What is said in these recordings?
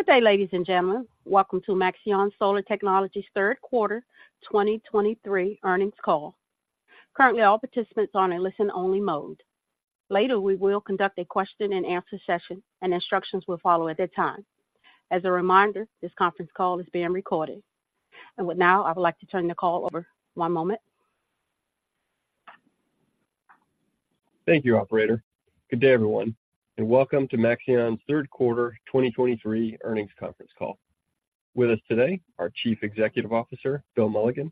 Good day, ladies and gentlemen. Welcome to Maxeon Solar Technologies' third quarter 2023 earnings call. Currently, all participants are in a listen-only mode. Later, we will conduct a question-and-answer session, and instructions will follow at that time. As a reminder, this conference call is being recorded. And now, I would like to turn the call over. One moment. Thank you, operator. Good day, everyone, and welcome to Maxeon's third quarter 2023 earnings conference call. With us today, our Chief Executive Officer, Bill Mulligan,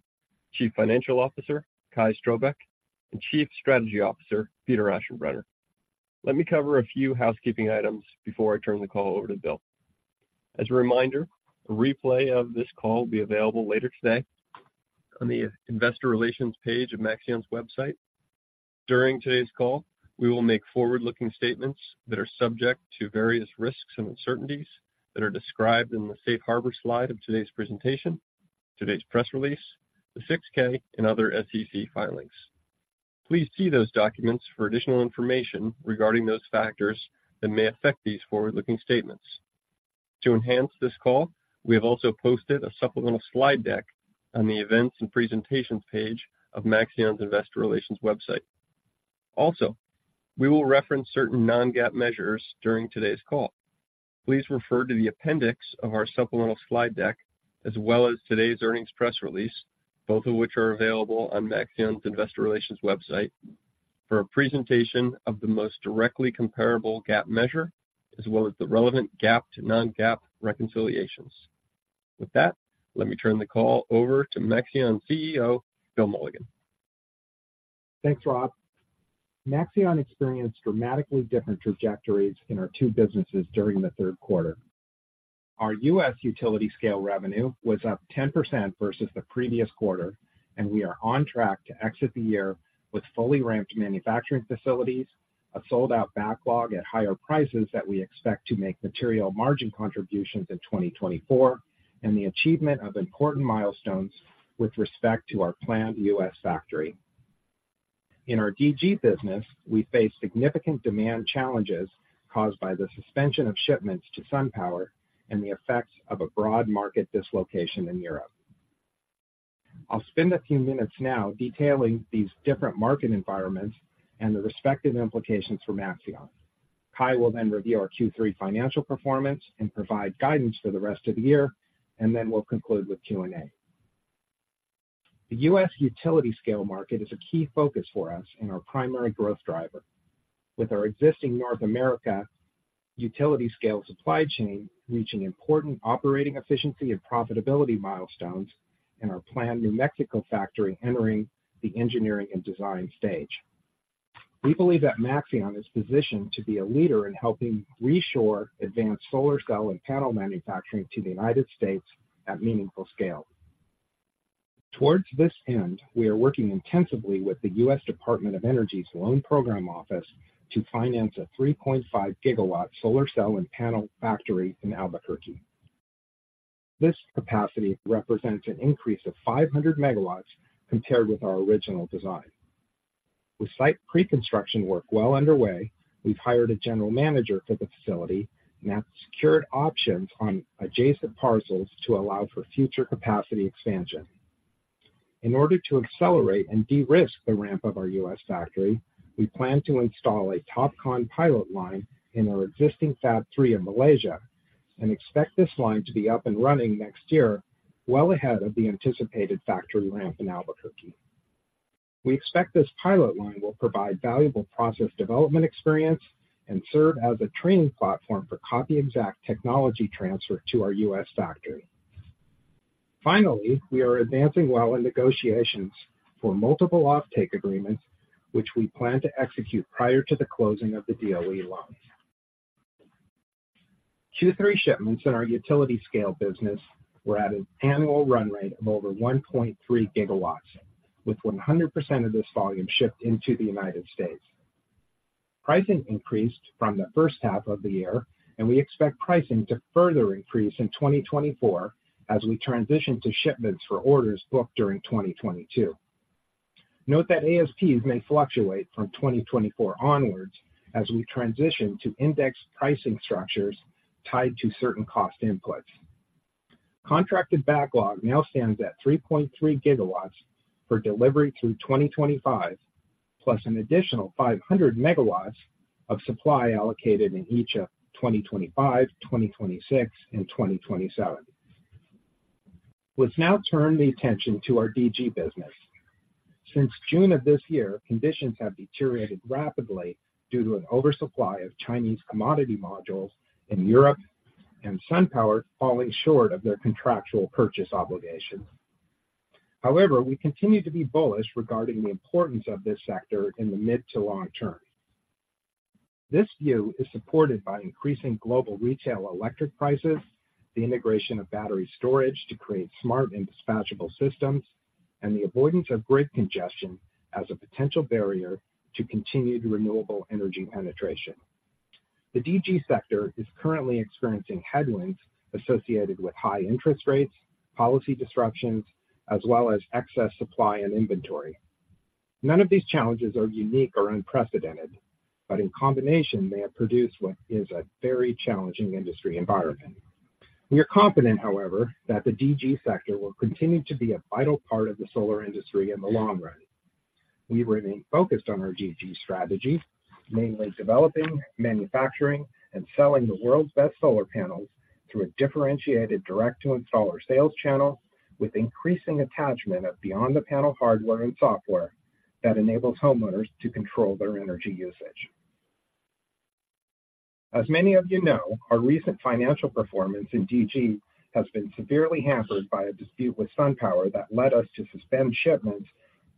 Chief Financial Officer, Kai Strohbecke, and Chief Strategy Officer, Peter Aschenbrenner. Let me cover a few housekeeping items before I turn the call over to Bill. As a reminder, a replay of this call will be available later today on the investor relations page of Maxeon's website. During today's call, we will make forward-looking statements that are subject to various risks and uncertainties that are described in the Safe Harbor slide of today's presentation, today's press release, the 6-K and other SEC filings. Please see those documents for additional information regarding those factors that may affect these forward-looking statements. To enhance this call, we have also posted a supplemental slide deck on the Events and Presentations page of Maxeon's investor relations website. Also, we will reference certain non-GAAP measures during today's call. Please refer to the appendix of our supplemental slide deck, as well as today's earnings press release, both of which are available on Maxeon's investor relations website, for a presentation of the most directly comparable GAAP measure, as well as the relevant GAAP to non-GAAP reconciliations. With that, let me turn the call over to Maxeon's CEO, Bill Mulligan. Thanks, Rob. Maxeon experienced dramatically different trajectories in our two businesses during the third quarter. Our U.S. utility scale revenue was up 10% versus the previous quarter, and we are on track to exit the year with fully ramped manufacturing facilities, a sold-out backlog at higher prices that we expect to make material margin contributions in 2024, and the achievement of important milestones with respect to our planned U.S. factory. In our DG business, we face significant demand challenges caused by the suspension of shipments to SunPower and the effects of a broad market dislocation in Europe. I'll spend a few minutes now detailing these different market environments and the respective implications for Maxeon. Kai will then review our Q3 financial performance and provide guidance for the rest of the year, and then we'll conclude with Q&A. The U.S. utility scale market is a key focus for us and our primary growth driver. With our existing North America utility scale supply chain reaching important operating efficiency and profitability milestones and our planned New Mexico factory entering the engineering and design stage, we believe that Maxeon is positioned to be a leader in helping reshore advanced solar cell and panel manufacturing to the United States at meaningful scale. Towards this end, we are working intensively with the U.S. Department of Energy's Loan Program Office to finance a 3.5-GW solar cell and panel factory in Albuquerque. This capacity represents an increase of 500 MW compared with our original design. With site pre-construction work well underway, we've hired a general manager for the facility and have secured options on adjacent parcels to allow for future capacity expansion. In order to accelerate and de-risk the ramp of our U.S. factory, we plan to install a TOPCon pilot line in our existing Fab 3 in Malaysia and expect this line to be up and running next year, well ahead of the anticipated factory ramp in Albuquerque. We expect this pilot line will provide valuable process development experience and serve as a training platform for copy-exact technology transfer to our U.S. factory. Finally, we are advancing well in negotiations for multiple offtake agreements, which we plan to execute prior to the closing of the DOE loan. Q3 shipments in our utility scale business were at an annual run rate of over 1.3 GW, with 100% of this volume shipped into the United States. Pricing increased from the first half of the year, and we expect pricing to further increase in 2024 as we transition to shipments for orders booked during 2022. Note that ASPs may fluctuate from 2024 onwards as we transition to index pricing structures tied to certain cost inputs. Contracted backlog now stands at 3.3 GW for delivery through 2025, plus an additional 500 MW of supply allocated in each of 2025, 2026 and 2027. Let's now turn the attention to our DG business. Since June of this year, conditions have deteriorated rapidly due to an oversupply of Chinese commodity modules in Europe and SunPower falling short of their contractual purchase obligations. However, we continue to be bullish regarding the importance of this sector in the mid to long term. This view is supported by increasing global retail electric prices, the integration of battery storage to create smart and dispatchable systems, and the avoidance of grid congestion as a potential barrier to continued renewable energy penetration. The DG sector is currently experiencing headwinds associated with high interest rates, policy disruptions, as well as excess supply and inventory. None of these challenges are unique or unprecedented, but in combination, they have produced what is a very challenging industry environment. We are confident, however, that the DG sector will continue to be a vital part of the solar industry in the long run. We remain focused on our DG strategy, namely developing, manufacturing, and selling the world's best solar panels through a differentiated direct-to-installer sales channel, with increasing attachment of Beyond the Panel hardware and software that enables homeowners to control their energy usage. As many of you know, our recent financial performance in DG has been severely hampered by a dispute with SunPower that led us to suspend shipments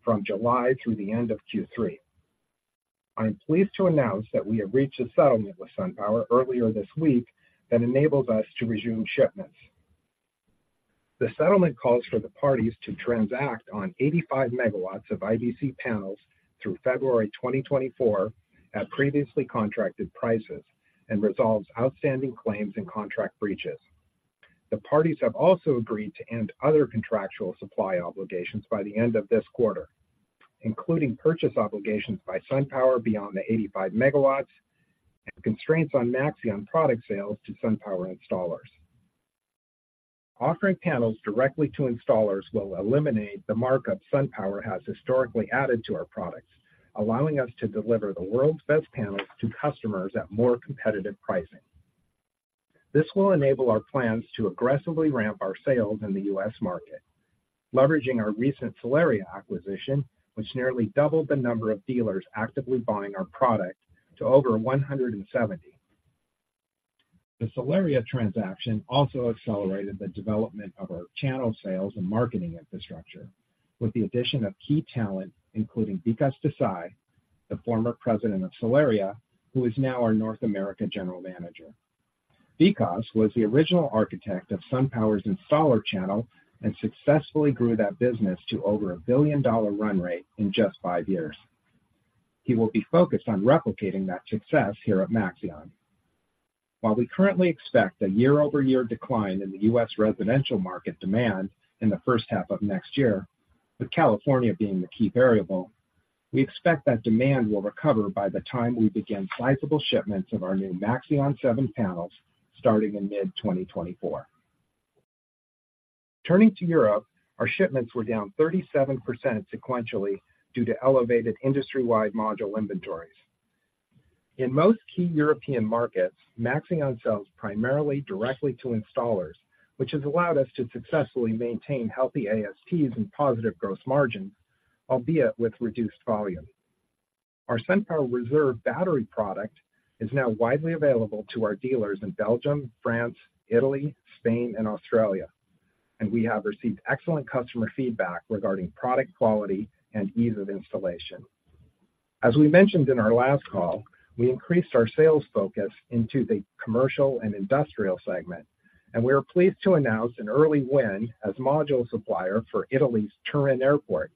from July through the end of Q3. I'm pleased to announce that we have reached a settlement with SunPower earlier this week that enables us to resume shipments. The settlement calls for the parties to transact on 85 MW of IBC panels through February 2024 at previously contracted prices and resolves outstanding claims and contract breaches. The parties have also agreed to end other contractual supply obligations by the end of this quarter, including purchase obligations by SunPower beyond the 85 MW and constraints on Maxeon product sales to SunPower installers. Offering panels directly to installers will eliminate the markup SunPower has historically added to our products, allowing us to deliver the world's best panels to customers at more competitive pricing. This will enable our plans to aggressively ramp our sales in the U.S. market, leveraging our recent Solaria acquisition, which nearly doubled the number of dealers actively buying our product to over 170. The Solaria transaction also accelerated the development of our channel sales and marketing infrastructure, with the addition of key talent, including Vikas Desai, the former president of Solaria, who is now our North America General Manager. Vikas was the original architect of SunPower's installer channel and successfully grew that business to over a billion-dollar run rate in just five years. He will be focused on replicating that success here at Maxeon. While we currently expect a year-over-year decline in the U.S. residential market demand in the first half of next year, with California being the key variable, we expect that demand will recover by the time we begin sizable shipments of our new Maxeon 7 panels starting in mid-2024. Turning to Europe, our shipments were down 37% sequentially due to elevated industry-wide module inventories. In most key European markets, Maxeon sells primarily directly to installers, which has allowed us to successfully maintain healthy ASPs and positive gross margins, albeit with reduced volume. Our SunPower Reserve battery product is now widely available to our dealers in Belgium, France, Italy, Spain, and Australia, and we have received excellent customer feedback regarding product quality and ease of installation. As we mentioned in our last call, we increased our sales focus into the commercial and industrial segment, and we are pleased to announce an early win as module supplier for Italy's Turin Airport,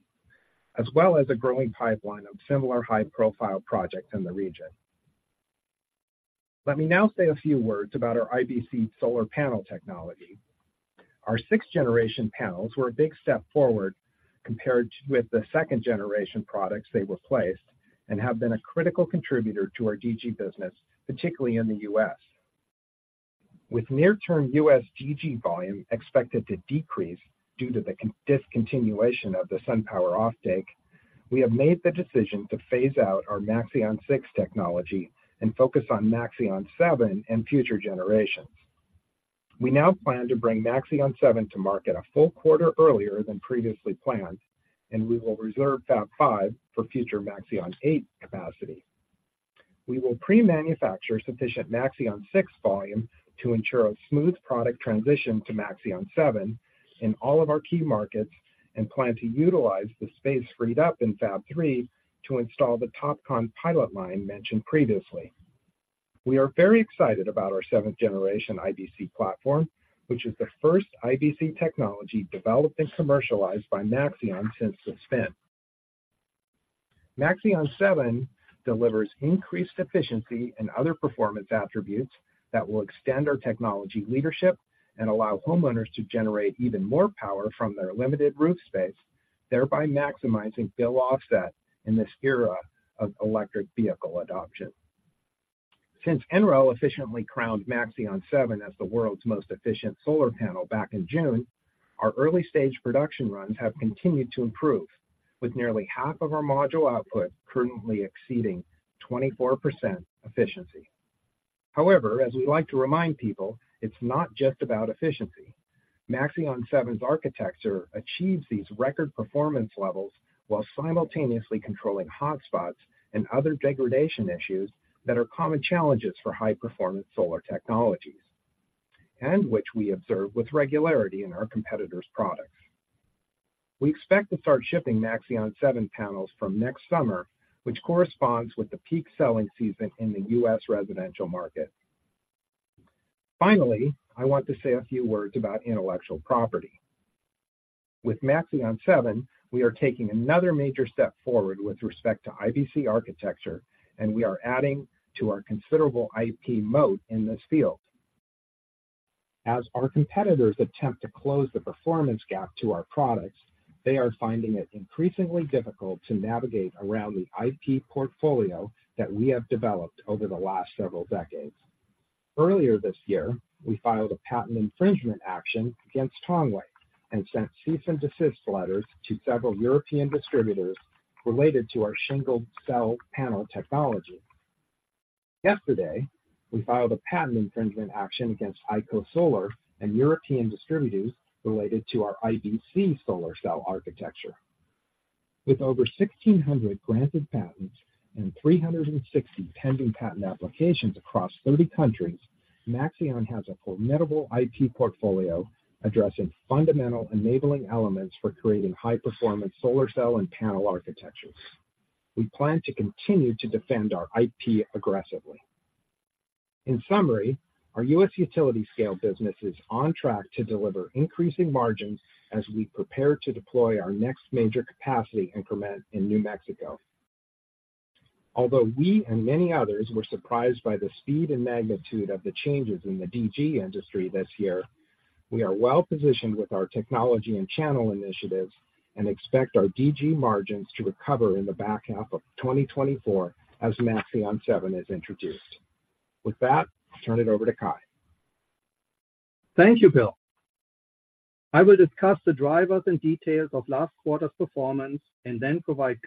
as well as a growing pipeline of similar high-profile projects in the region. Let me now say a few words about our IBC solar panel technology. Our sixth-generation panels were a big step forward compared with the second-generation products they replaced and have been a critical contributor to our DG business, particularly in the U.S. With near-term U.S. DG volume expected to decrease due to the discontinuation of the SunPower offtake, we have made the decision to phase out our Maxeon 6 technology and focus on Maxeon 7 and future generations. We now plan to bring Maxeon 7 to market a full quarter earlier than previously planned, and we will reserve Fab 5 for future Maxeon 8 capacity. We will pre-manufacture sufficient Maxeon 6 volume to ensure a smooth product transition to Maxeon 7 in all of our key markets and plan to utilize the space freed up in Fab 3 to install the TOPCon pilot line mentioned previously. We are very excited about our seventh-generation IBC platform, which is the first IBC technology developed and commercialized by Maxeon since the spin. Maxeon 7 delivers increased efficiency and other performance attributes that will extend our technology leadership and allow homeowners to generate even more power from their limited roof space, thereby maximizing bill offset in this era of electric vehicle adoption. Since NREL efficiently crowned Maxeon 7 as the world's most efficient solar panel back in June, our early-stage production runs have continued to improve, with nearly half of our module output currently exceeding 24% efficiency. However, as we like to remind people, it's not just about efficiency. Maxeon 7's architecture achieves these record performance levels while simultaneously controlling hotspots and other degradation issues that are common challenges for high-performance solar technologies, and which we observe with regularity in our competitors' products. We expect to start shipping Maxeon 7 panels from next summer, which corresponds with the peak selling season in the U.S. residential market. Finally, I want to say a few words about intellectual property. With Maxeon 7, we are taking another major step forward with respect to IBC architecture, and we are adding to our considerable IP moat in this field. As our competitors attempt to close the performance gap to our products, they are finding it increasingly difficult to navigate around the IP portfolio that we have developed over the last several decades. Earlier this year, we filed a patent infringement action against Tongwei and sent cease and desist letters to several European distributors related to our shingled cell panel technology. Yesterday, we filed a patent infringement action against AIKO and European distributors related to our IBC solar cell architecture. With over 1,600 granted patents and 360 pending patent applications across 30 countries, Maxeon has a formidable IP portfolio addressing fundamental enabling elements for creating high-performance solar cell and panel architectures. We plan to continue to defend our IP aggressively. In summary, our U.S. utility scale business is on track to deliver increasing margins as we prepare to deploy our next major capacity increment in New Mexico. Although we and many others were surprised by the speed and magnitude of the changes in the DG industry this year, we are well positioned with our technology and channel initiatives and expect our DG margins to recover in the back half of 2024 as Maxeon 7 is introduced. With that, I'll turn it over to Kai. Thank you, Bill. I will discuss the drivers and details of last quarter's performance and then provide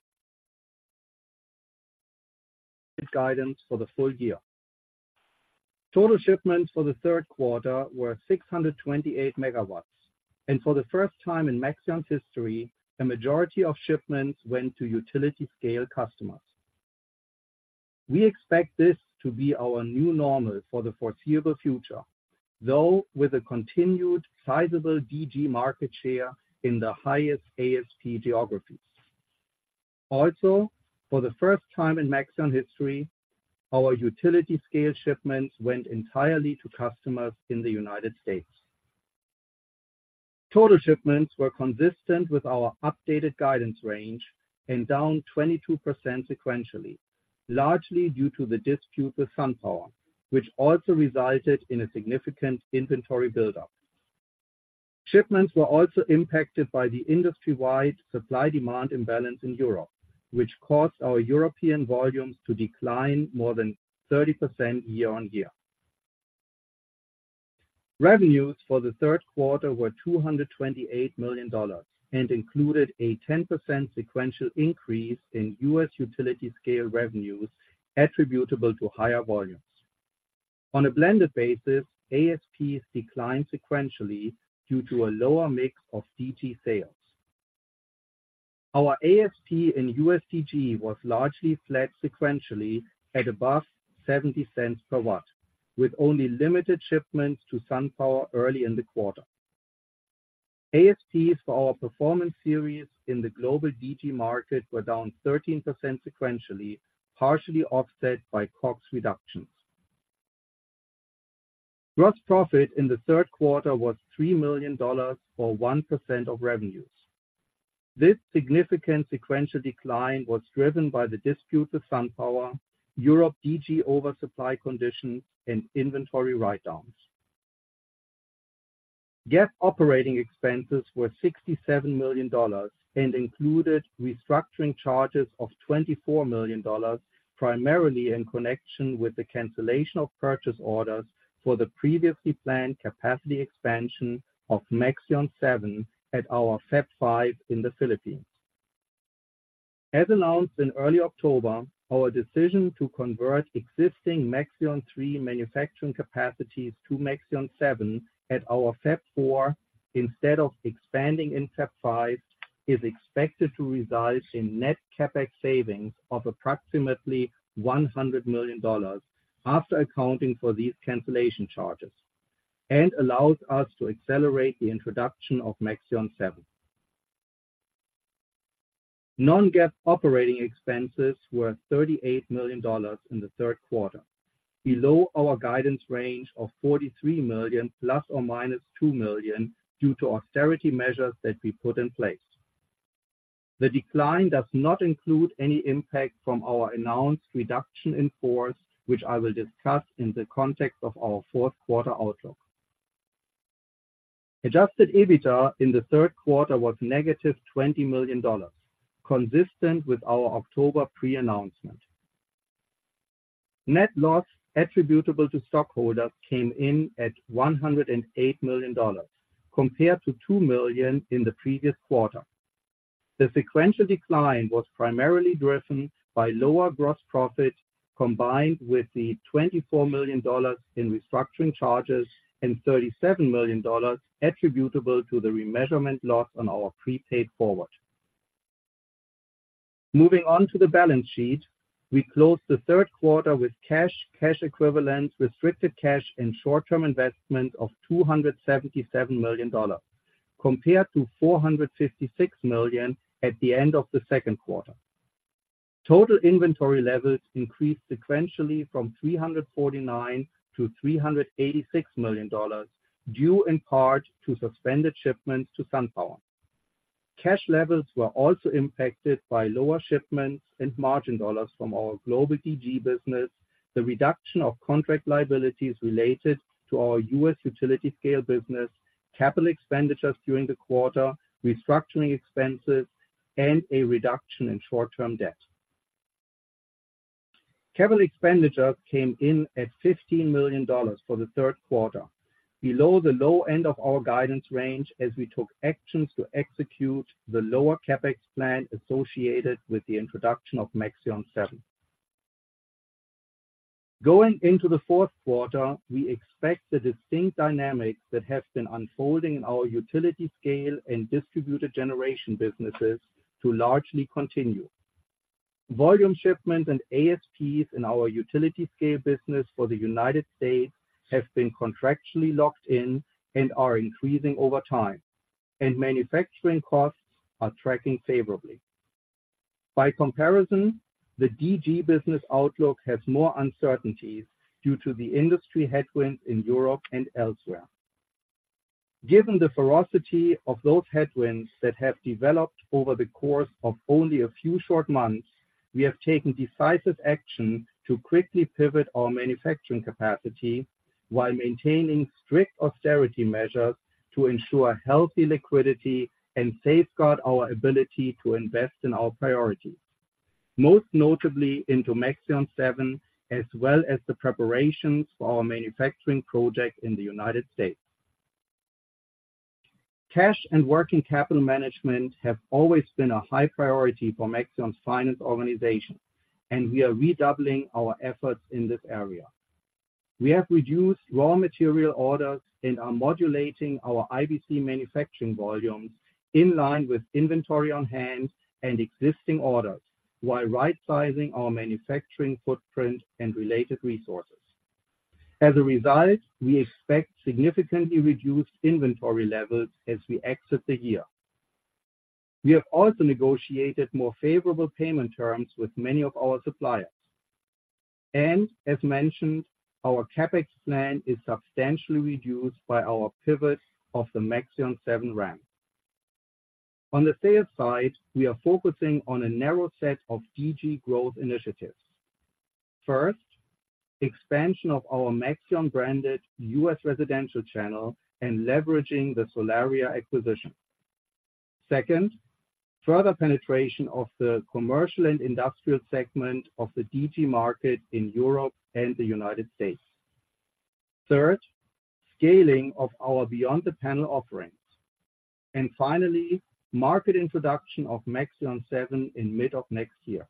guidance for the full year. Total shipments for the third quarter were 628 MW and for the first time in Maxeon's history, the majority of shipments went to Utility Scale customers. We expect this to be our new normal for the foreseeable future, though with a continued sizable DG market share in the highest ASP geographies. Also, for the first time in Maxeon history, our Utility Scale shipments went entirely to customers in the United States. Total shipments were consistent with our updated guidance range and down 22% sequentially, largely due to the dispute with SunPower, which also resulted in a significant inventory buildup. Shipments were also impacted by the industry-wide supply demand imbalance in Europe, which caused our European volumes to decline more than 30% year-on-year. Revenues for the third quarter were $228 million, and included a 10% sequential increase in U.S. utility scale revenues attributable to higher volumes. On a blended basis, ASPs declined sequentially due to a lower mix of DG sales. Our ASP in U.S. DG was largely flat sequentially at above $0.70 per watt, with only limited shipments to SunPower early in the quarter. ASPs for our Performance Series in the global DG market were down 13% sequentially, partially offset by COGS reductions. Gross profit in the third quarter was $3 million, or 1% of revenues. This significant sequential decline was driven by the dispute with SunPower, Europe DG oversupply conditions, and inventory write-downs. GAAP operating expenses were $67 million and included restructuring charges of $24 million, primarily in connection with the cancellation of purchase orders for the previously planned capacity expansion of Maxeon 7 at our Fab 5 in the Philippines. As announced in early October, our decision to convert existing Maxeon 3 manufacturing capacities to Maxeon 7 at our Fab 4, instead of expanding in Fab 5, is expected to result in net CapEx savings of approximately $100 million after accounting for these cancellation charges, and allows us to accelerate the introduction of Maxeon 7. Non-GAAP operating expenses were $38 million in the third quarter, below our guidance range of $43 million ± $2 million, due to austerity measures that we put in place. The decline does not include any impact from our announced reduction in force, which I will discuss in the context of our fourth quarter outlook. Adjusted EBITDA in the third quarter was negative $20 million, consistent with our October pre-announcement. Net loss attributable to stockholders came in at $108 million, compared to $2 million in the previous quarter. The sequential decline was primarily driven by lower gross profit, combined with the $24 million in restructuring charges and $37 million attributable to the remeasurement loss on our prepaid forward. Moving on to the balance sheet, we closed the third quarter with cash, cash equivalents, restricted cash, and short-term investment of $277 million, compared to $456 million at the end of the second quarter. Total inventory levels increased sequentially from $349 million-$386 million, due in part to suspended shipments to SunPower. Cash levels were also impacted by lower shipments and margin dollars from our global DG business, the reduction of contract liabilities related to our U.S. utility-scale business, capital expenditures during the quarter, restructuring expenses, and a reduction in short-term debt. Capital expenditure came in at $15 million for the third quarter, below the low end of our guidance range as we took actions to execute the lower CapEx plan associated with the introduction of Maxeon 7. Going into the fourth quarter, we expect the distinct dynamics that have been unfolding in our utility-scale and distributed-generation businesses to largely continue. Volume shipments and ASPs in our utility scale business for the United States have been contractually locked in and are increasing over time, and manufacturing costs are tracking favorably. By comparison, the DG business outlook has more uncertainties due to the industry headwinds in Europe and elsewhere. Given the ferocity of those headwinds that have developed over the course of only a few short months, we have taken decisive action to quickly pivot our manufacturing capacity while maintaining strict austerity measures to ensure healthy liquidity and safeguard our ability to invest in our priorities, most notably into Maxeon 7, as well as the preparations for our manufacturing project in the United States. Cash and working capital management have always been a high priority for Maxeon's finance organization, and we are redoubling our efforts in this area. We have reduced raw material orders and are modulating our IBC manufacturing volumes in line with inventory on hand and existing orders, while right sizing our manufacturing footprint and related resources. As a result, we expect significantly reduced inventory levels as we exit the year. We have also negotiated more favorable payment terms with many of our suppliers. As mentioned, our CapEx plan is substantially reduced by our pivot of the Maxeon 7 ramp. On the sales side, we are focusing on a narrow set of DG growth initiatives. First, expansion of our Maxeon branded U.S. residential channel and leveraging the Solaria acquisition. Second, further penetration of the commercial and industrial segment of the DG market in Europe and the United States. Third, scaling of our Beyond the Panel offerings, and finally, market introduction of Maxeon 7 in mid of next year.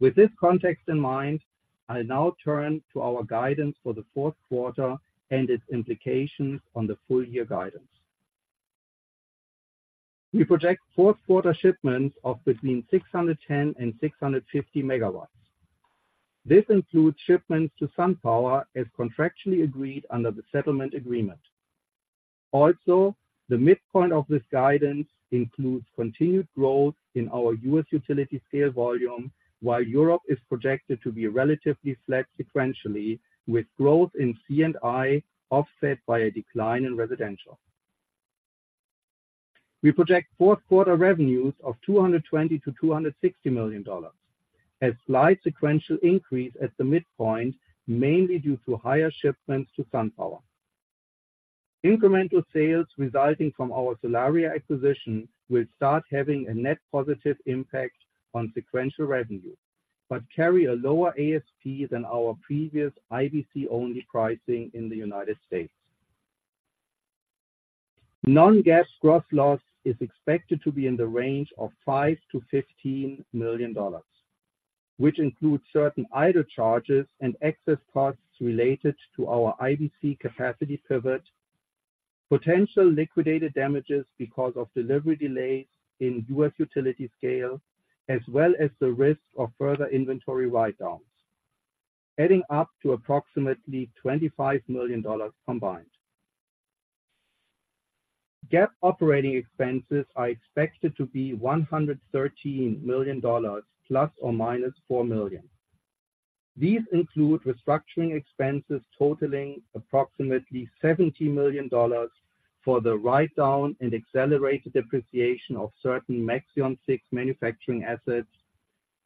With this context in mind, I now turn to our guidance for the fourth quarter and its implications on the full year guidance. We project fourth quarter shipments of between 610 and 650 MW. This includes shipments to SunPower, as contractually agreed under the settlement agreement. Also, the midpoint of this guidance includes continued growth in our U.S. utility scale volume, while Europe is projected to be relatively flat sequentially, with growth in C&I, offset by a decline in residential. We project fourth quarter revenues of $220 million-$260 million, a slight sequential increase at the midpoint, mainly due to higher shipments to SunPower. Incremental sales resulting from our Solaria acquisition will start having a net positive impact on sequential revenue, but carry a lower ASP than our previous IBC-only pricing in the United States. Non-GAAP gross loss is expected to be in the range of $5 million-$15 million, which includes certain idle charges and excess costs related to our IBC capacity pivot, potential liquidated damages because of delivery delays in U.S. utility scale, as well as the risk of further inventory write-downs, adding up to approximately $25 million combined. GAAP operating expenses are expected to be $113 million ±$4 million. These include restructuring expenses totaling approximately $70 million for the write-down and accelerated depreciation of certain Maxeon 6 manufacturing assets,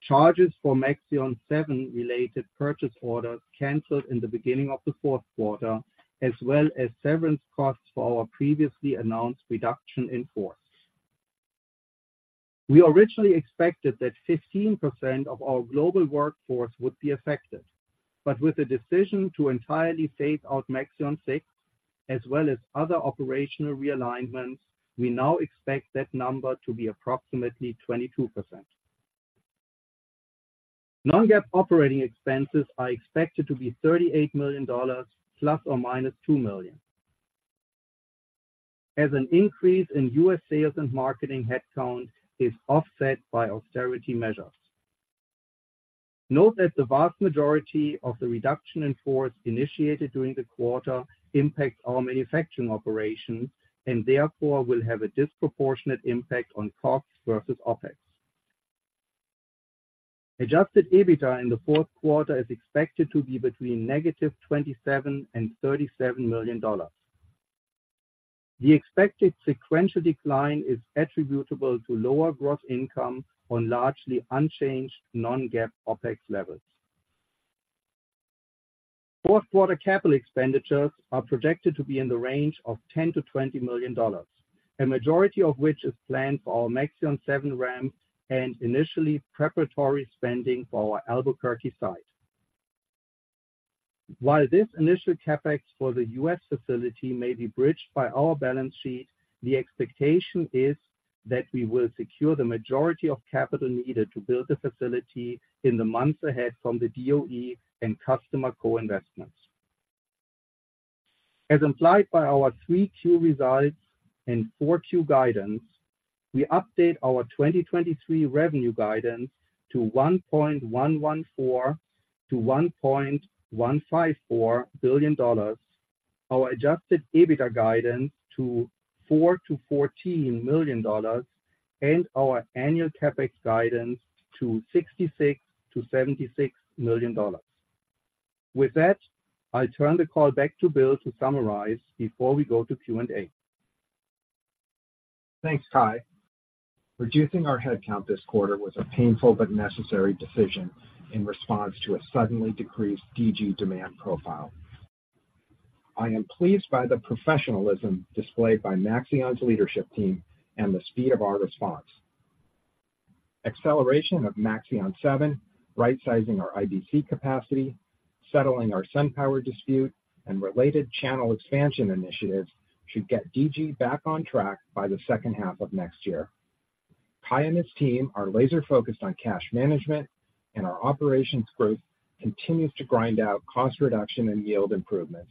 charges for Maxeon 7-related purchase orders canceled in the beginning of the fourth quarter, as well as severance costs for our previously announced reduction in force. We originally expected that 15% of our global workforce would be affected, but with the decision to entirely phase out Maxeon 6, as well as other operational realignments, we now expect that number to be approximately 22%. Non-GAAP operating expenses are expected to be $38 million, ±$2 million. As an increase in U.S. sales and marketing headcount is offset by austerity measures. Note that the vast majority of the reduction in force initiated during the quarter impacts our manufacturing operations and therefore will have a disproportionate impact on costs versus OpEx. Adjusted EBITDA in the fourth quarter is expected to be between -$27 million and $37 million. The expected sequential decline is attributable to lower gross income on largely unchanged non-GAAP OpEx levels. Fourth quarter capital expenditures are projected to be in the range of $10 million-$20 million, a majority of which is planned for our Maxeon 7 ramp and initially preparatory spending for our Albuquerque site. While this initial CapEx for the U.S. facility may be bridged by our balance sheet, the expectation is that we will secure the majority of capital needed to build the facility in the months ahead from the DOE and customer co-investments. As implied by our Q3 results and Q4 guidance, we update our 2023 revenue guidance to $1.114 billion-$1.154 billion. Our Adjusted EBITDA guidance to $4 milion-$14 million, and our annual CapEx guidance to $66 million-$76 million. With that, I turn the call back to Bill to summarize before we go to Q&A. Thanks, Kai. Reducing our headcount this quarter was a painful but necessary decision in response to a suddenly decreased DG demand profile. I am pleased by the professionalism displayed by Maxeon's leadership team and the speed of our response. Acceleration of Maxeon 7, rightsizing our IBC capacity, settling our SunPower dispute, and related channel expansion initiatives should get DG back on track by the second half of next year. Kai and his team are laser-focused on cash management, and our operations group continues to grind out cost reduction and yield improvements.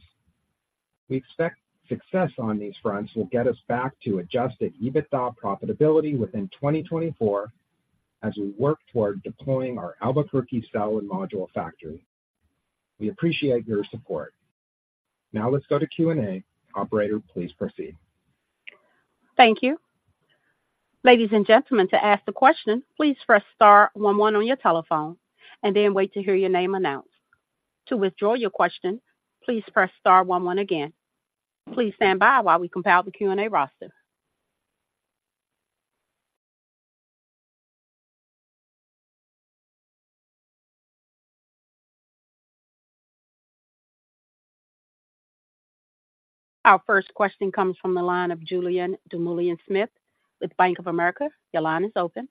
We expect success on these fronts will get us back to Adjusted EBITDA profitability within 2024, as we work toward deploying our Albuquerque cell and module factory. We appreciate your support. Now let's go to Q&A. Operator, please proceed. Thank you. Ladies and gentlemen, to ask a question, please press star one one on your telephone and then wait to hear your name announced. To withdraw your question, please press star one one again. Please stand by while we compile the Q&A roster. Our first question comes from the line of Julian Dumoulin-Smith with Bank of America. Your line is open.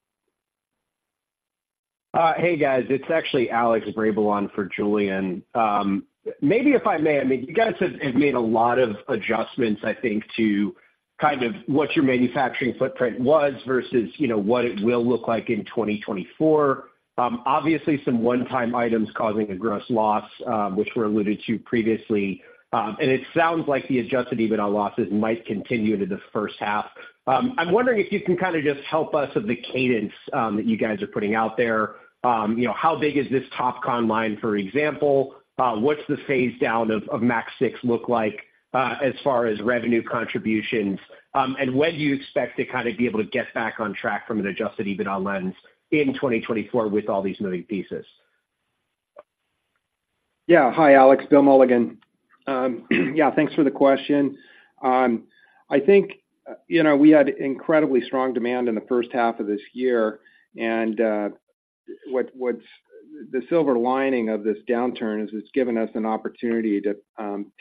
Hey, guys, it's actually Alex Vrabel for Julian. Maybe if I may, I mean, you guys have made a lot of adjustments, I think, to kind of what your manufacturing footprint was versus, you know, what it will look like in 2024. Obviously some one-time items causing a gross loss, which were alluded to previously. And it sounds like the Adjusted EBITDA losses might continue into the first half. I'm wondering if you can kind of just help us with the cadence that you guys are putting out there. You know, how big is this TOPCon line, for example? What's the phase down of Maxeon 6 look like, as far as revenue contributions? When do you expect to kind of be able to get back on track from an Adjusted EBITDA lens in 2024 with all these moving pieces? Yeah. Hi, Alex. Bill Mulligan. Yeah, thanks for the question. I think, you know, we had incredibly strong demand in the first half of this year, and the silver lining of this downturn is it's given us an opportunity to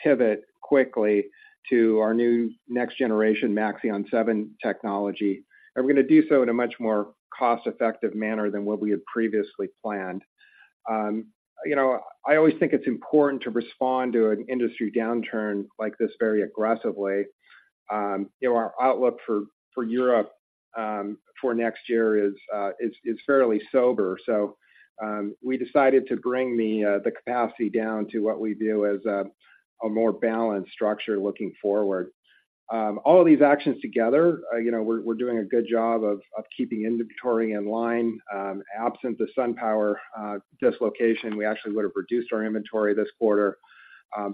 pivot quickly to our new next generation Maxeon 7 technology. And we're going to do so in a much more cost-effective manner than what we had previously planned. You know, I always think it's important to respond to an industry downturn like this very aggressively. You know, our outlook for Europe for next year is fairly sober. So, we decided to bring the capacity down to what we view as a more balanced structure looking forward. All of these actions together, you know, we're doing a good job of keeping inventory in line. Absent the SunPower dislocation, we actually would have reduced our inventory this quarter.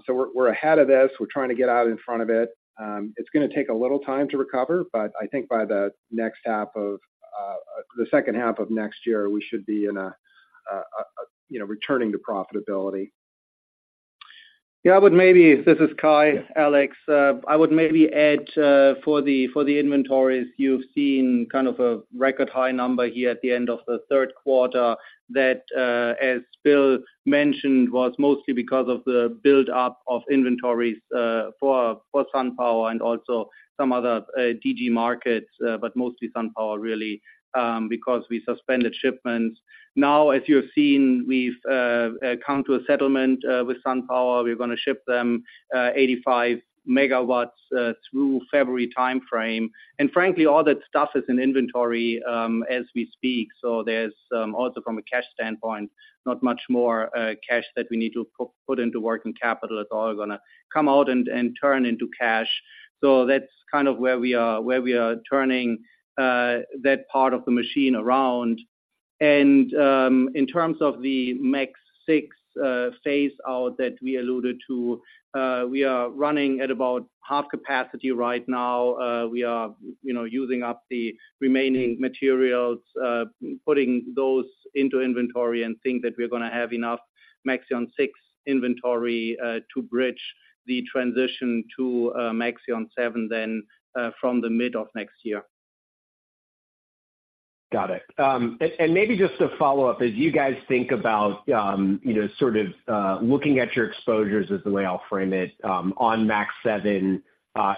So we're ahead of this. We're trying to get out in front of it. It's going to take a little time to recover, but I think by the second half of next year, we should be in a, you know, returning to profitability. Yeah, I would maybe—this is Kai, Alex. I would maybe add for the inventories. You've seen kind of a record high number here at the end of the third quarter that, as Bill mentioned, was mostly because of the build-up of inventories for SunPower and also some other DG markets, but mostly SunPower, really, because we suspended shipments. Now, as you have seen, we've come to a settlement with SunPower. We're going to ship them 85 MW through February timeframe. And frankly, all that stuff is in inventory as we speak. So there's also from a cash standpoint, not much more cash that we need to put into working capital. It's all going to come out and turn into cash. So that's kind of where we are, where we are turning that part of the machine around. And, in terms of the Maxeon 6, phaseout that we alluded to, we are running at about half capacity right now. We are, you know, using up the remaining materials, putting those into inventory and think that we're gonna have enough Maxeon 6 inventory, to bridge the transition to, Maxeon 7, then, from the mid of next year. Got it. And maybe just a follow-up. As you guys think about, you know, sort of, looking at your exposures as the way I'll frame it, on Maxeon 7,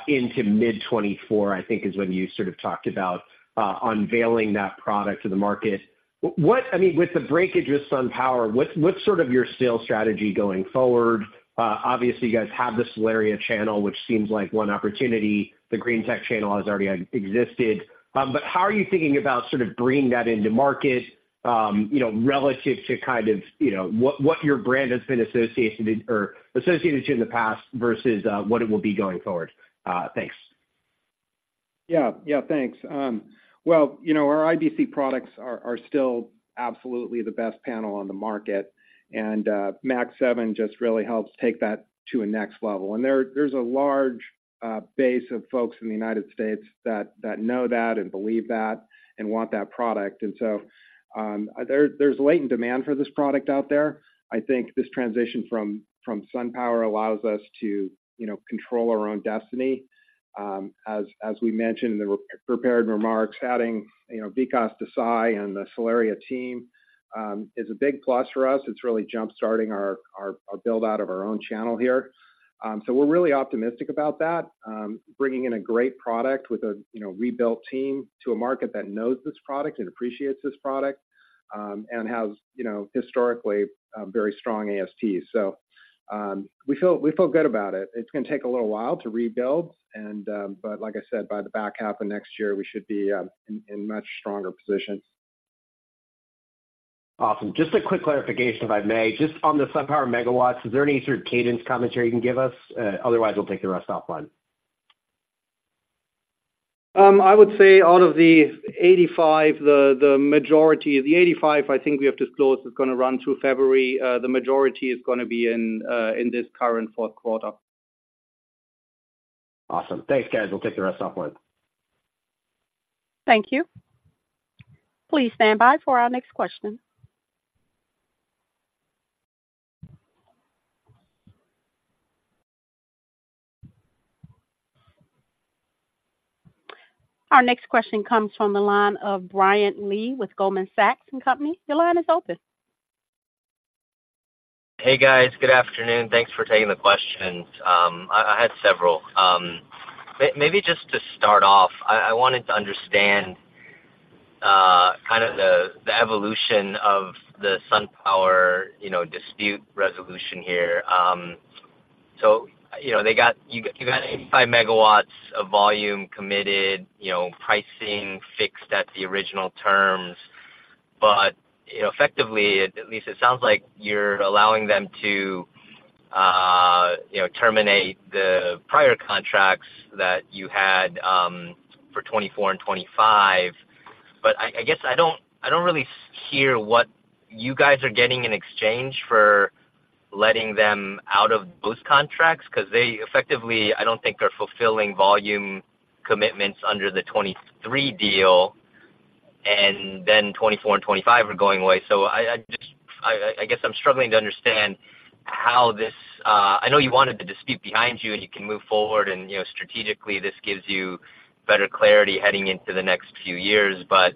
into mid-2024, I think is when you sort of talked about, unveiling that product to the market. What—I mean, with the breakage with SunPower, what's sort of your sales strategy going forward? Obviously, you guys have the Solaria channel, which seems like one opportunity. The Greentech channel has already existed. But how are you thinking about sort of bringing that into market, you know, relative to kind of, you know, what your brand has been associated with or associated to in the past versus, what it will be going forward? Thanks. Yeah. Yeah, thanks. Well, you know, our IBC products are still absolutely the best panel on the market, and, MAX 7 just really helps take that to a next level. And there, there's a large base of folks in the United States that know that, and believe that, and want that product. And so, there, there's latent demand for this product out there. I think this transition from SunPower allows us to, you know, control our own destiny. As we mentioned in the prepared remarks, adding, you know, Vikas Desai and the Solaria team is a big plus for us. It's really jump-starting our a build-out of our own channel here. So we're really optimistic about that, bringing in a great product with a, you know, rebuilt team to a market that knows this product and appreciates this product, and has, you know, historically, a very strong ASP. So, we feel, we feel good about it. It's gonna take a little while to rebuild, and... But like I said, by the back half of next year, we should be in a much stronger position. Awesome. Just a quick clarification, if I may. Just on the SunPower MW, is there any sort of cadence commentary you can give us? Otherwise, we'll take the rest offline. I would say out of the 85, the majority, the 85, I think we have disclosed, is gonna run through February. The majority is gonna be in this current fourth quarter. Awesome. Thanks, guys. We'll take the rest offline. Thank you. Please stand by for our next question. Our next question comes from the line of Brian Lee with Goldman Sachs & Company. Your line is open. Hey, guys. Good afternoon. Thanks for taking the questions. I had several. Maybe just to start off, I wanted to understand kind of the evolution of the SunPower, you know, dispute resolution here. So, you know, they got—you got 85 MW of volume committed, you know, pricing fixed at the original terms. But, effectively, at least it sounds like you're allowing them to, you know, terminate the prior contracts that you had for 2024 and 2025. But I guess I don't really hear what you guys are getting in exchange for letting them out of those contracts, because they effectively, I don't think they're fulfilling volume commitments under the 2023 deal, and then 2024 and 2025 are going away. So I just guess I'm struggling to understand how this... I know you wanted the dispute behind you, and you can move forward and, you know, strategically, this gives you better clarity heading into the next few years. But,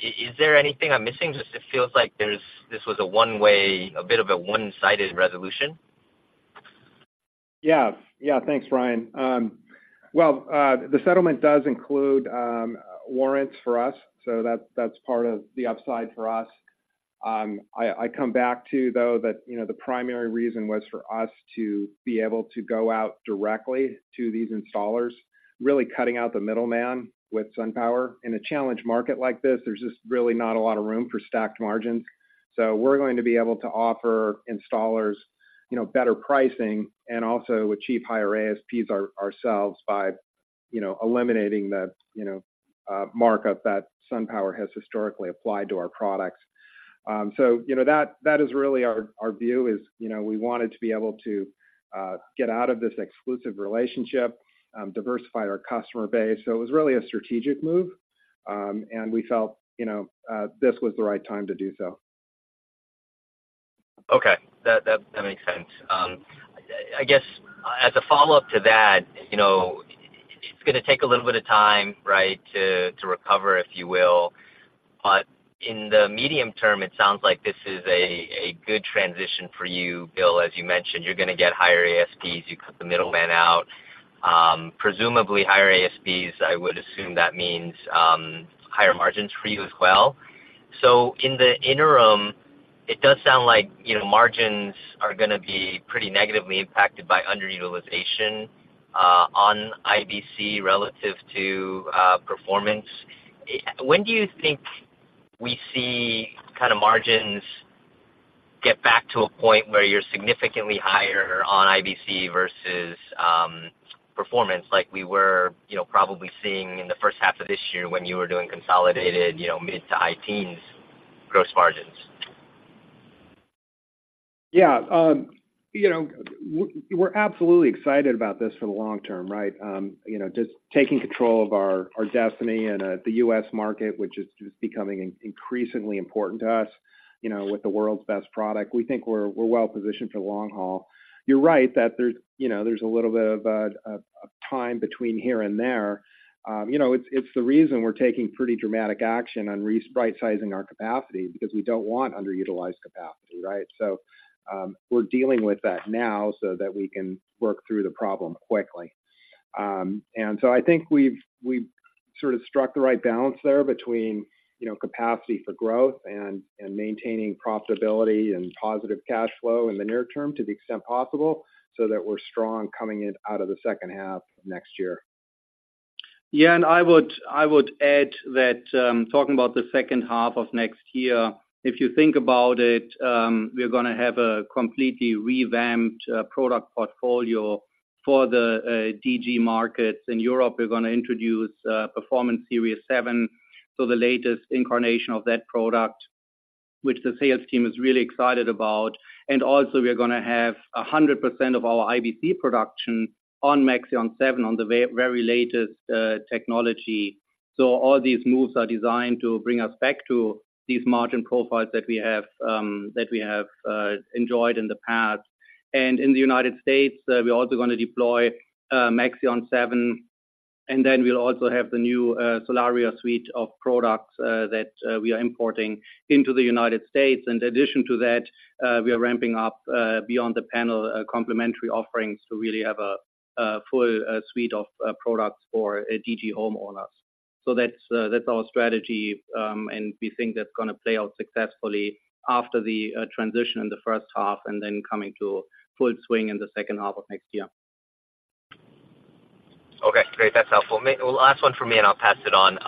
is there anything I'm missing? Just, it feels like this was a one-way, a bit of a one-sided resolution. Yeah. Yeah. Thanks, Brian. The settlement does include warrants for us, so that's part of the upside for us. I come back to, though, that you know, the primary reason was for us to be able to go out directly to these installers, really cutting out the middleman with SunPower. In a challenged market like this, there's just really not a lot of room for stacked margins. So we're going to be able to offer installers you know, better pricing and also achieve higher ASPs ourselves by you know, eliminating the markup that SunPower has historically applied to our products. So you know, that is really our view is you know, we wanted to be able to get out of this exclusive relationship, diversify our customer base. It was really a strategic move, and we felt, you know, this was the right time to do so. Okay. That makes sense. I guess, as a follow-up to that, you know, it's gonna take a little bit of time, right, to recover, if you will. But in the medium term, it sounds like this is a good transition for you, Bill. As you mentioned, you're gonna get higher ASPs. You cut the middleman out. Presumably higher ASPs, I would assume that means higher margins for you as well. So in the interim, it does sound like, you know, margins are gonna be pretty negatively impacted by underutilization on IBC relative to Performance. When do you think we see kind of margins... Get back to a point where you're significantly higher on IBC versus performance like we were, you know, probably seeing in the first half of this year when you were doing consolidated, you know, mid- to high-teens gross margins? Yeah. You know, we're absolutely excited about this for the long term, right? You know, just taking control of our destiny and the U.S. market, which is just becoming increasingly important to us, you know, with the world's best product. We think we're well positioned for the long haul. You're right, that there's, you know, there's a little bit of time between here and there. You know, it's the reason we're taking pretty dramatic action on re-rightsizing our capacity, because we don't want underutilized capacity, right? So, we're dealing with that now so that we can work through the problem quickly. And so I think we've sort of struck the right balance there between, you know, capacity for growth and maintaining profitability and positive cash flow in the near term, to the extent possible, so that we're strong coming in out of the second half next year. Yeah, and I would add that, talking about the second half of next year, if you think about it, we're gonna have a completely revamped product portfolio for the DG markets. In Europe, we're gonna introduce Performance Series 7, so the latest incarnation of that product, which the sales team is really excited about. And also, we are gonna have 100% of our IBC production on Maxeon 7 on the very latest technology. So all these moves are designed to bring us back to these margin profiles that we have, that we have enjoyed in the past. And in the United States, we're also gonna deploy Maxeon 7, and then we'll also have the new Solaria suite of products that we are importing into the United States. In addition to that, we are ramping up Beyond the Panel complementary offerings to really have a full suite of products for DG homeowners. So that's our strategy, and we think that's gonna play out successfully after the transition in the first half, and then coming to full swing in the second half of next year. Okay, great. That's helpful. Well, last one for me, and I'll pass it on.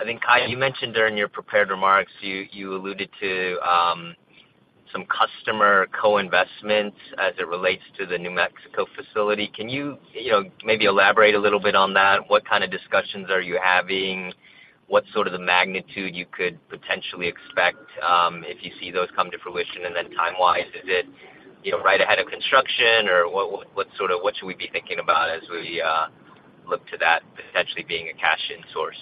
I think, Kai, you mentioned during your prepared remarks, you, you alluded to some customer co-investments as it relates to the New Mexico facility. Can you, you know, maybe elaborate a little bit on that? What kind of discussions are you having? What's sort of the magnitude you could potentially expect if you see those come to fruition? And then time-wise, is it, you know, right ahead of construction, or what, what's sort of what should we be thinking about as we look to that potentially being a cash-in source?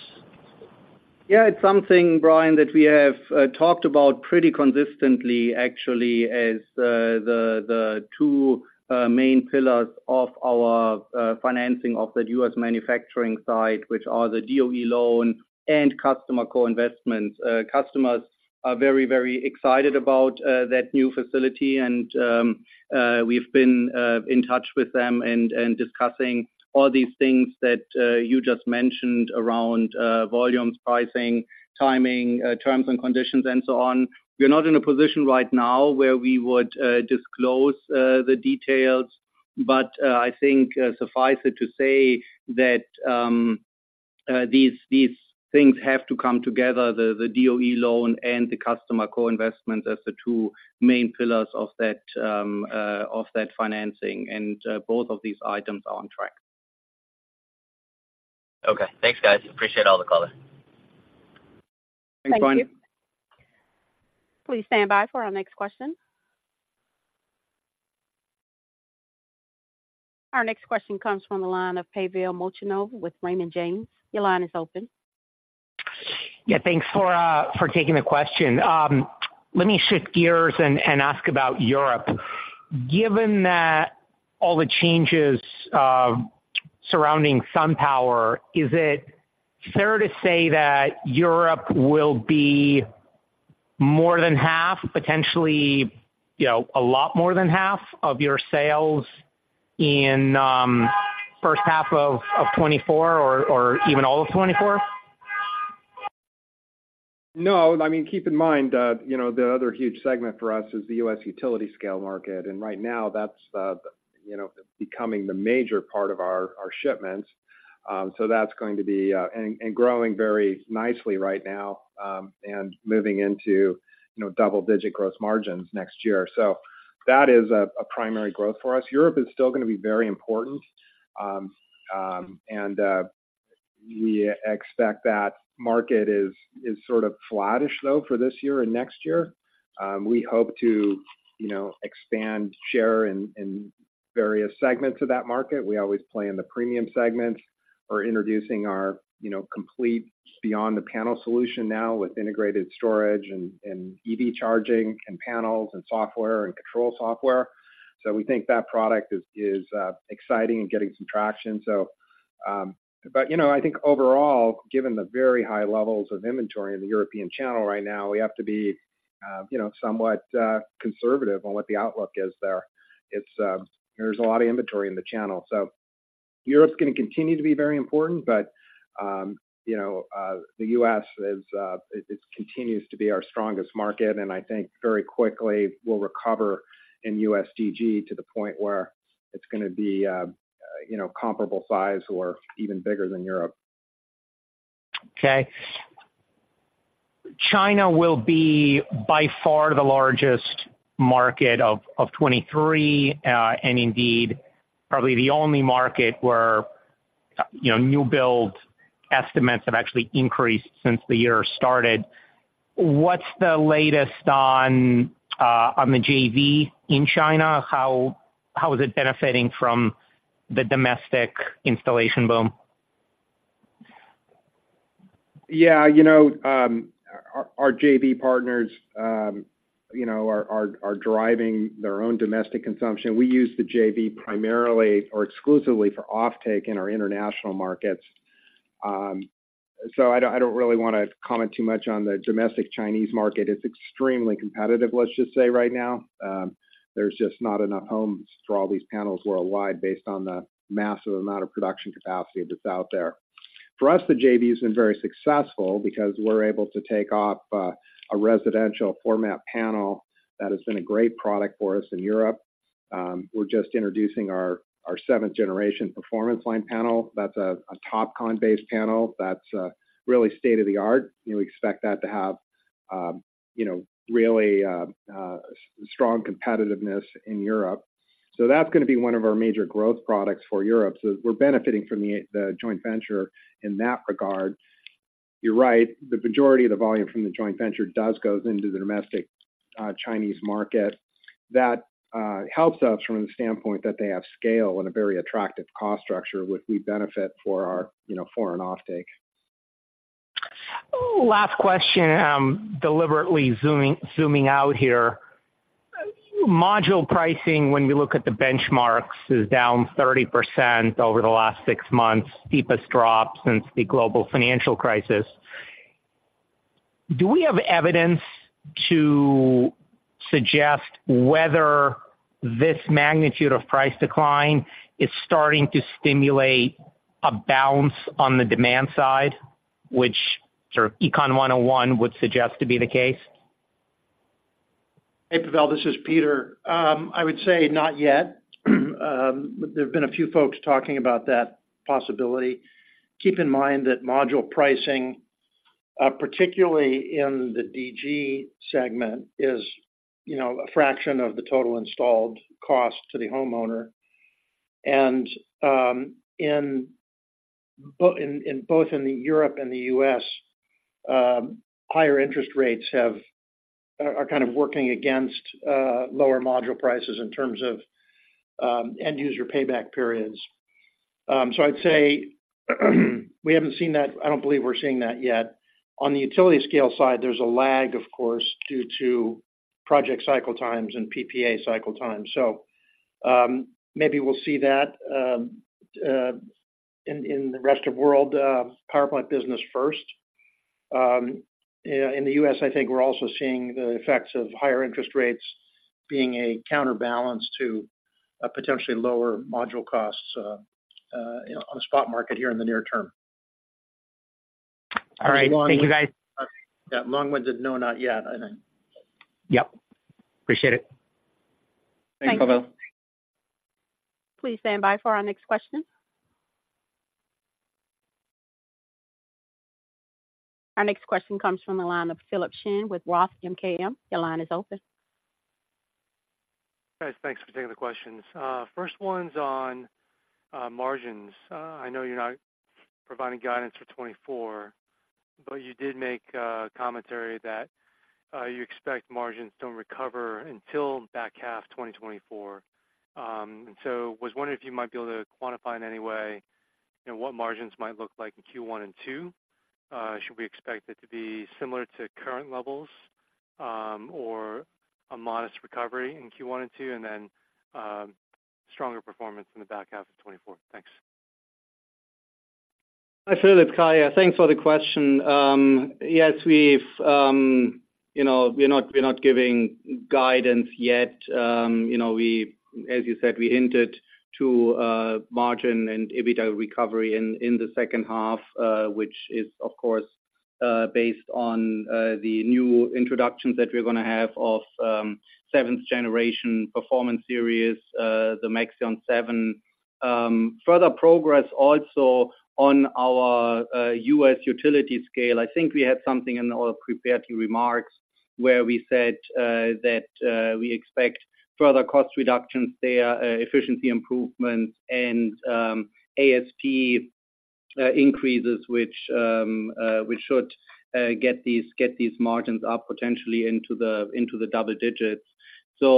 Yeah, it's something, Brian, that we have talked about pretty consistently, actually, as the two main pillars of our financing of the U.S. manufacturing site, which are the DOE loan and customer co-investments. Customers are very, very excited about that new facility, and we've been in touch with them and discussing all these things that you just mentioned around volumes, pricing, timing, terms and conditions, and so on. We're not in a position right now where we would disclose the details, but I think, suffice it to say that these things have to come together, the DOE loan and the customer co-investment as the two main pillars of that financing, and both of these items are on track. Okay. Thanks, guys. Appreciate all the color. Thanks, Brian. Thank you. Please stand by for our next question. Our next question comes from the line of Pavel Molchanov with Raymond James. Your line is open. Yeah, thanks for taking the question. Let me shift gears and ask about Europe. Given that all the changes surrounding SunPower, is it fair to say that Europe will be more than half, potentially, you know, a lot more than half of your sales in first half of 2024 or even all of 2024? No. I mean, keep in mind that, you know, the other huge segment for us is the U.S. utility-scale market, and right now that's, you know, becoming the major part of our shipments. So that's going to be growing very nicely right now and moving into, you know, double-digit gross margins next year. So that is a primary growth for us. Europe is still gonna be very important, and we expect that market is sort of flattish, though, for this year and next year. We hope to, you know, expand share in various segments of that market. We always play in the premium segments. We're introducing our, you know, complete Beyond the Panel solution now with integrated storage and EV charging, and panels, and software, and control software. So we think that product is exciting and getting some traction. So but, you know, I think overall, given the very high levels of inventory in the European channel right now, we have to be, you know, somewhat conservative on what the outlook is there. It's there's a lot of inventory in the channel. So Europe's gonna continue to be very important, but, you know, the U.S. is it continues to be our strongest market, and I think very quickly we'll recover in U.S. DG to the point where it's gonna be, you know, comparable size or even bigger than Europe. Okay. China will be by far the largest market of 2023, and indeed, probably the only market where, you know, new build estimates have actually increased since the year started. What's the latest on the JV in China? How is it benefiting from the domestic installation boom? Yeah, you know, our JV partners, you know, are driving their own domestic consumption. We use the JV primarily or exclusively for offtake in our international markets. So I don't really want to comment too much on the domestic Chinese market. It's extremely competitive, let's just say right now. There's just not enough homes for all these panels worldwide based on the massive amount of production capacity that's out there. For us, the JV has been very successful because we're able to take off a residential format panel that has been a great product for us in Europe. We're just introducing our seventh generation performance line panel. That's a TOPCon-based panel that's really state-of-the-art. We expect that to have you know really strong competitiveness in Europe. So that's going to be one of our major growth products for Europe. So we're benefiting from the the joint venture in that regard. You're right, the majority of the volume from the joint venture does goes into the domestic, Chinese market. That, helps us from the standpoint that they have scale and a very attractive cost structure, which we benefit for our, you know, foreign offtake. Last question, deliberately zooming, zooming out here. Module pricing, when we look at the benchmarks, is down 30% over the last six months, deepest drop since the global financial crisis. Do we have evidence to suggest whether this magnitude of price decline is starting to stimulate a bounce on the demand side, which sort of Econ 101 would suggest to be the case? Hey, Pavel, this is Peter. I would say not yet. There have been a few folks talking about that possibility. Keep in mind that module pricing, particularly in the DG segment, is, you know, a fraction of the total installed cost to the homeowner. And, in both in Europe and the U.S., higher interest rates are kind of working against lower module prices in terms of end user payback periods. So I'd say, we haven't seen that. I don't believe we're seeing that yet. On the utility scale side, there's a lag, of course, due to project cycle times and PPA cycle times. So, maybe we'll see that in the rest of world power plant business first. In the U.S., I think we're also seeing the effects of higher interest rates being a counterbalance to a potentially lower module costs, you know, on the spot market here in the near term. All right. Thank you, guys. Yeah, long-winded, no, not yet, I think. Yep. Appreciate it. Thanks, Pavel. Please stand by for our next question. Our next question comes from the line of Philip Shen with Roth MKM. Your line is open. Guys, thanks for taking the questions. First one's on margins. I know you're not providing guidance for 2024, but you did make a commentary that you expect margins don't recover until back half 2024. And so I was wondering if you might be able to quantify in any way, you know, what margins might look like in Q1 and Q2. Should we expect it to be similar to current levels, or a modest recovery in Q1 and Q2, and then stronger performance in the back half of 2024? Thanks. Hi, Philip, it's Kai. Thanks for the question. Yes, we've... You know, we're not giving guidance yet. You know, as you said, we hinted to margin and EBITDA recovery in the second half, which is, of course, based on the new introductions that we're going to have of seventh-generation Performance Series, the Maxeon 7. Further progress also on our U.S. utility-scale. I think we had something in our prepared remarks where we said that we expect further cost reductions there, efficiency improvements, and ASP increases, which we should get these margins up potentially into the double digits. So,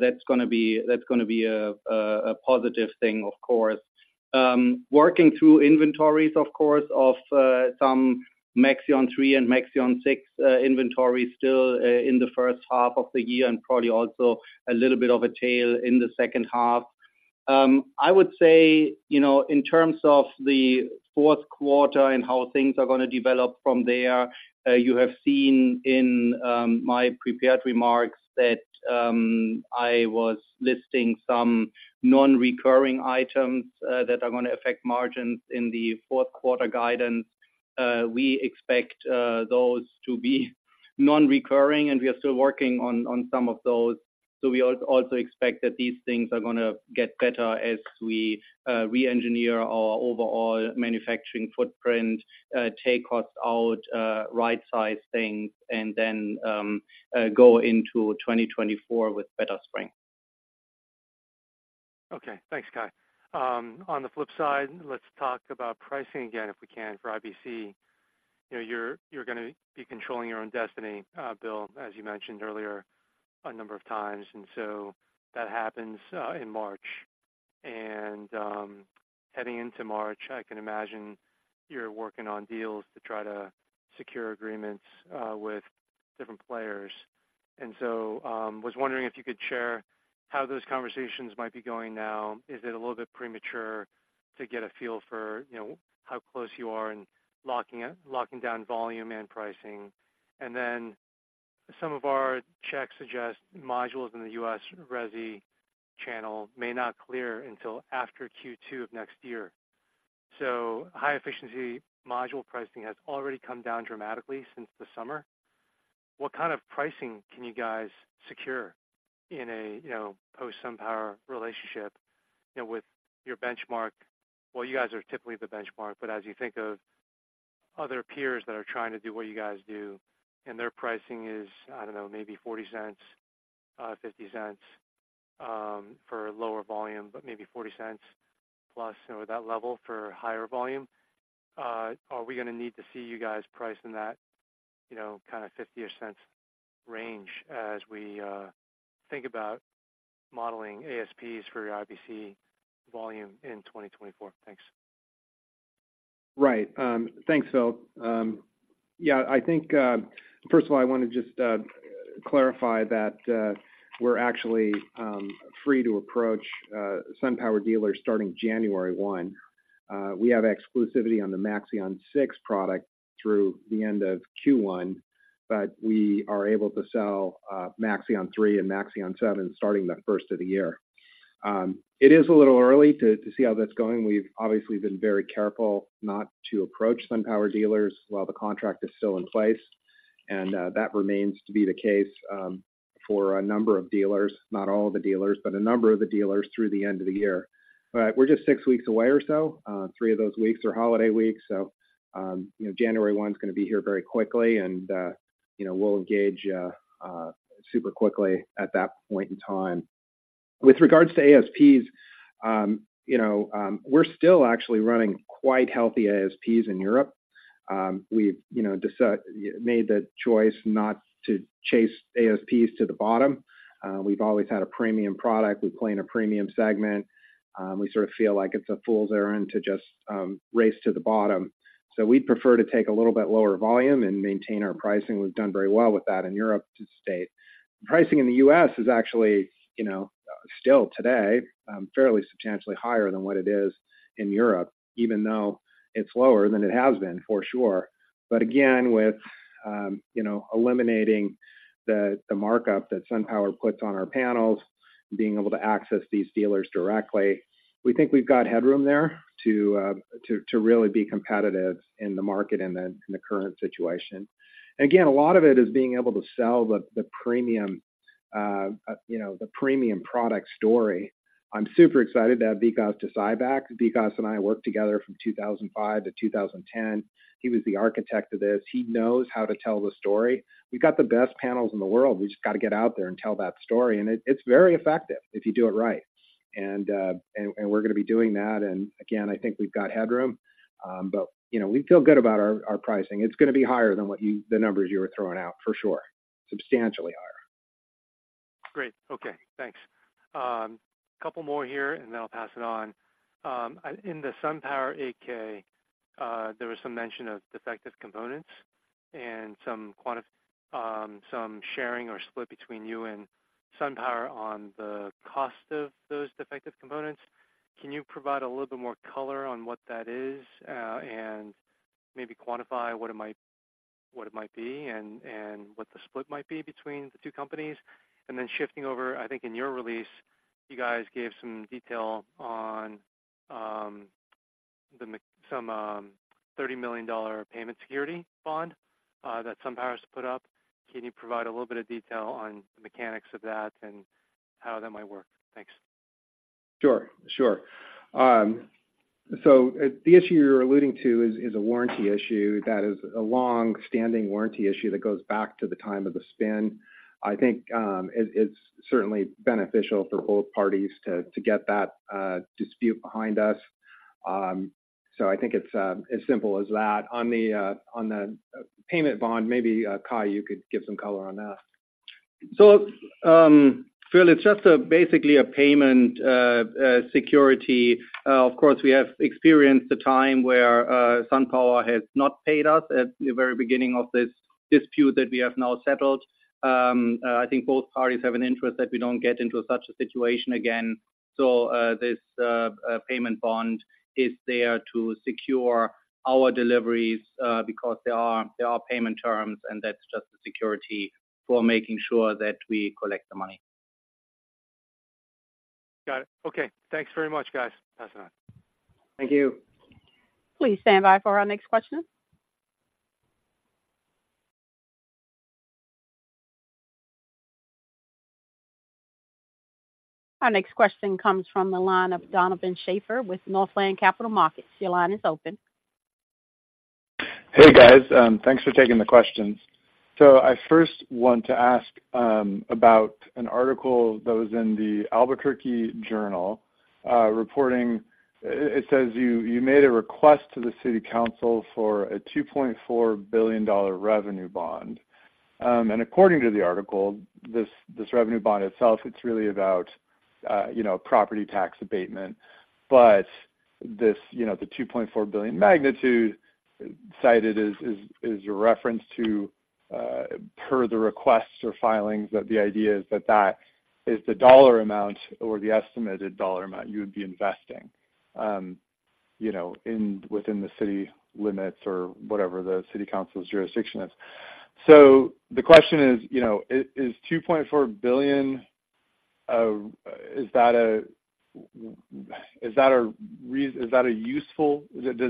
that's going to be a positive thing, of course. Working through inventories, of course, of some Maxeon 3 and Maxeon 6 inventory still in the first half of the year and probably also a little bit of a tail in the second half. I would say, you know, in terms of the fourth quarter and how things are going to develop from there, you have seen in my prepared remarks that I was listing some non-recurring items that are going to affect margins in the fourth quarter guidance. We expect those to be non-recurring, and we are still working on some of those. So we also expect that these things are going to get better as we reengineer our overall manufacturing footprint, take costs out, right-size things, and then go into 2024 with better strength. Okay. Thanks, Kai. On the flip side, let's talk about pricing again, if we can, for IBC. You know, you're going to be controlling your own destiny, Bill, as you mentioned earlier a number of times, and so that happens in March. Heading into March, I can imagine you're working on deals to try to secure agreements with different players. So, was wondering if you could share how those conversations might be going now. Is it a little bit premature to get a feel for, you know, how close you are in locking down volume and pricing? And then some of our checks suggest modules in the U.S. resi channel may not clear until after Q2 of next year. So high-efficiency module pricing has already come down dramatically since the summer. What kind of pricing can you guys secure in a, you know, post-SunPower relationship, you know, with your benchmark? Well, you guys are typically the benchmark, but as you think of other peers that are trying to do what you guys do, and their pricing is, I don't know, maybe $0.40, $0.50, for lower volume, but maybe $0.40 plus or that level for higher volume, are we going to need to see you guys pricing that, you know, kind of 50-ish cents range as we, think about modeling ASPs for IBC volume in 2024? Thanks. Right. Thanks, Phil. Yeah, I think first of all, I want to just clarify that we're actually free to approach SunPower dealers starting January 1. We have exclusivity on the Maxeon 6 product through the end of Q1, but we are able to sell Maxeon 3 and Maxeon 7 starting the first of the year. It is a little early to see how that's going. We've obviously been very careful not to approach SunPower dealers while the contract is still in place, and that remains to be the case for a number of dealers. Not all the dealers, but a number of the dealers through the end of the year. But we're just 6 weeks away or so. Three of those weeks are holiday weeks, so, you know, January one is going to be here very quickly, and, you know, we'll engage, super quickly at that point in time. With regards to ASPs, you know, we're still actually running quite healthy ASPs in Europe. We've, you know, made the choice not to chase ASPs to the bottom. We've always had a premium product. We play in a premium segment. We sort of feel like it's a fool's errand to just, race to the bottom. So we'd prefer to take a little bit lower volume and maintain our pricing. We've done very well with that in Europe, to state. Pricing in the U.S. is actually, you know, still today fairly substantially higher than what it is in Europe, even though it's lower than it has been, for sure. But again, with you know, eliminating the markup that SunPower puts on our panels, being able to access these dealers directly, we think we've got headroom there to to really be competitive in the market in the current situation. Again, a lot of it is being able to sell the premium you know, the premium product story. I'm super excited to have Vikas Desai back. Vikas and I worked together from 2005 to 2010. He was the architect of this. He knows how to tell the story. We've got the best panels in the world. We just got to get out there and tell that story, and it, it's very effective if you do it right. And we're going to be doing that. And again, I think we've got headroom, but you know, we feel good about our pricing. It's going to be higher than what you-- the numbers you were throwing out, for sure. Substantially higher. Great. Okay, thanks. A couple more here, and then I'll pass it on. In the SunPower 8-K, there was some mention of defective components and some sharing or split between you and SunPower on the cost of those defective components. Can you provide a little bit more color on what that is, and maybe quantify what it might be and what the split might be between the two companies? And then shifting over, I think in your release, you guys gave some detail on some $30 million payment security bond that SunPower has put up. Can you provide a little bit of detail on the mechanics of that and how that might work? Thanks. Sure, sure. So the issue you're alluding to is a warranty issue that is a longstanding warranty issue that goes back to the time of the spin. I think it's certainly beneficial for both parties to get that dispute behind us. So I think it's as simple as that. On the payment bond, maybe Kai, you could give some color on that. So, Phil, it's just basically a payment security. Of course, we have experienced a time where SunPower has not paid us at the very beginning of this dispute that we have now settled. I think both parties have an interest that we don't get into such a situation again. So, this payment bond is there to secure our deliveries, because there are payment terms, and that's just the security for making sure that we collect the money. Got it. Okay, thanks very much, guys. That's enough. Thank you. Please stand by for our next question. Our next question comes from the line of Donovan Schafer with Northland Capital Markets. Your line is open. Hey, guys. Thanks for taking the questions. So I first want to ask about an article that was in the Albuquerque Journal reporting. It says you made a request to the city council for a $2.4 billion revenue bond. And according to the article, this revenue bond itself, it's really about, you know, property tax abatement. But this, you know, the $2.4 billion magnitude cited is a reference to, per the requests or filings, that the idea is that that is the dollar amount or the estimated dollar amount you would be investing, you know, within the city limits or whatever the city council's jurisdiction is. So the question is, you know, is $2.4 billion a useful—does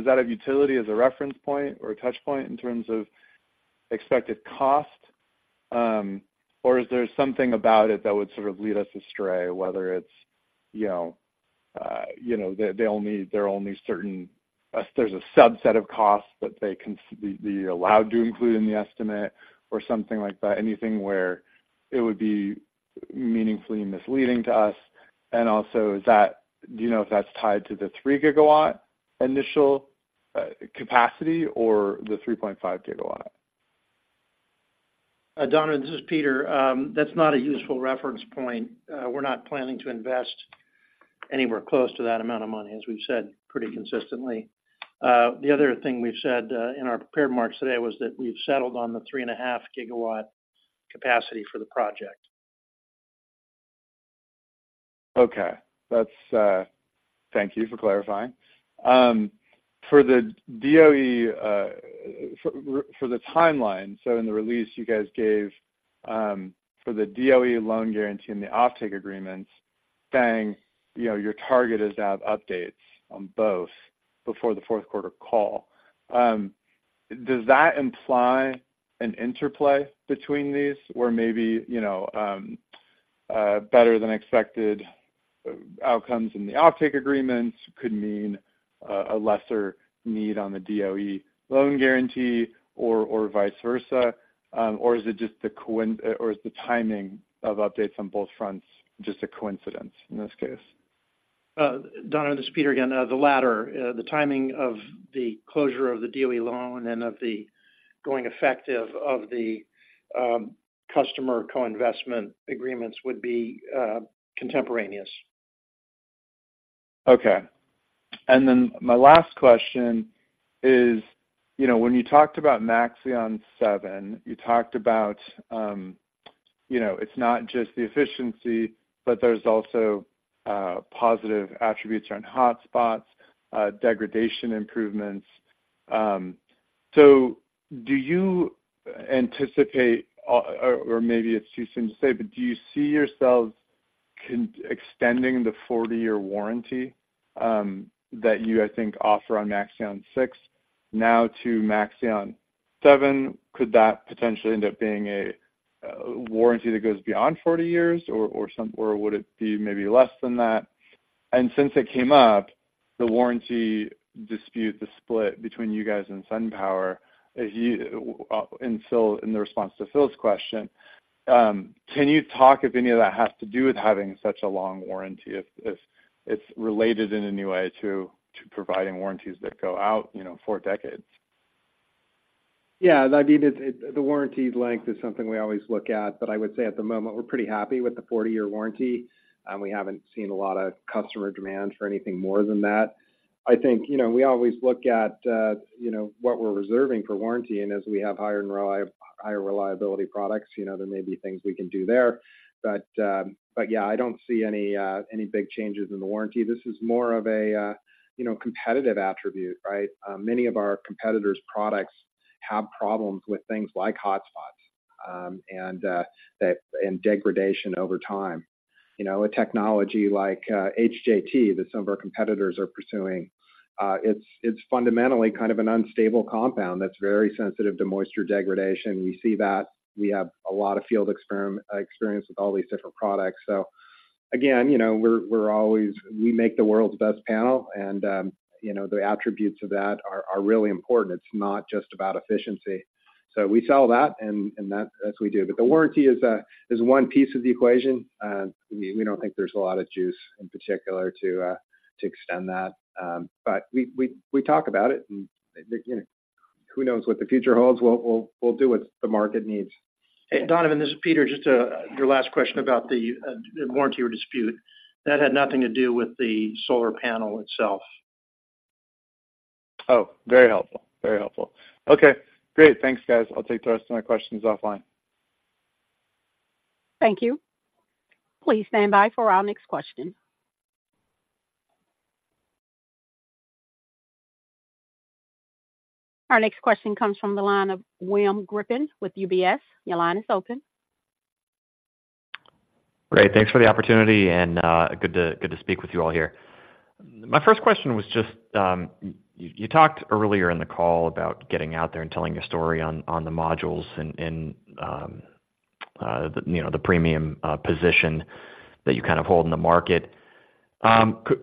that have utility as a reference point or a touch point in terms of expected cost? Or is there something about it that would sort of lead us astray, whether it's, you know, they only—there are only certain... There's a subset of costs that they can be allowed to include in the estimate or something like that, anything where it would be meaningfully misleading to us? And also, do you know if that's tied to the 3 GW initial capacity or the 3.5 GW? Donovan, this is Peter. That's not a useful reference point. We're not planning to invest anywhere close to that amount of money, as we've said pretty consistently. The other thing we've said, in our prepared remarks today, was that we've settled on the 3.5 GW capacity for the project. Okay. That's... Thank you for clarifying. For the DOE, for the timeline, so in the release you guys gave, for the DOE loan guarantee and the offtake agreements, saying, you know, your target is to have updates on both before the fourth quarter call. Does that imply an interplay between these? Or maybe, you know, better than expected outcomes in the offtake agreements could mean, a lesser need on the DOE loan guarantee or vice versa, or is it just a coin-- or is the timing of updates on both fronts just a coincidence in this case? Donovan, this is Peter again. The latter. The timing of the closure of the DOE loan and of the going effective of the customer co-investment agreements would be contemporaneous. Okay. And then my last question is, you know, when you talked about Maxeon 7, you talked about, you know, it's not just the efficiency, but there's also positive attributes around hotspots, degradation improvements. So do you anticipate, or maybe it's too soon to say, but do you see yourselves extending the 40-year warranty that you, I think, offer on Maxeon 6 now to Maxeon 7? Could that potentially end up being a warranty that goes beyond 40 years or would it be maybe less than that? Since it came up, the warranty dispute, the split between you guys and SunPower, Phil, in the response to Phil's question, can you talk if any of that has to do with having such a long warranty, if, if it's related in any way to, to providing warranties that go out, you know, four decades? Yeah, I mean, it's the warranty length is something we always look at, but I would say at the moment, we're pretty happy with the 40-year warranty, and we haven't seen a lot of customer demand for anything more than that. I think, you know, we always look at, you know, what we're reserving for warranty, and as we have higher reliability products, you know, there may be things we can do there. But, but yeah, I don't see any, any big changes in the warranty. This is more of a, you know, competitive attribute, right? Many of our competitors' products have problems with things like hotspots, and, that, and degradation over time. You know, a technology like HJT that some of our competitors are pursuing, it's fundamentally kind of an unstable compound that's very sensitive to moisture degradation. We see that. We have a lot of field experience with all these different products. So again, you know, we're always we make the world's best panel, and you know, the attributes of that are really important. It's not just about efficiency. So we sell that, and that, as we do. But the warranty is one piece of the equation. We don't think there's a lot of juice in particular to extend that. But we talk about it, and you know, who knows what the future holds? We'll do what the market needs. Hey, Donovan, this is Peter. Just to your last question about the warranty or dispute, that had nothing to do with the solar panel itself. Oh, very helpful. Very helpful. Okay, great. Thanks, guys. I'll take the rest of my questions offline. Thank you. Please stand by for our next question.... Our next question comes from the line of William Grippin with UBS. Your line is open. Great. Thanks for the opportunity, and good to speak with you all here. My first question was just, you talked earlier in the call about getting out there and telling your story on the modules and the premium position that you kind of hold in the market.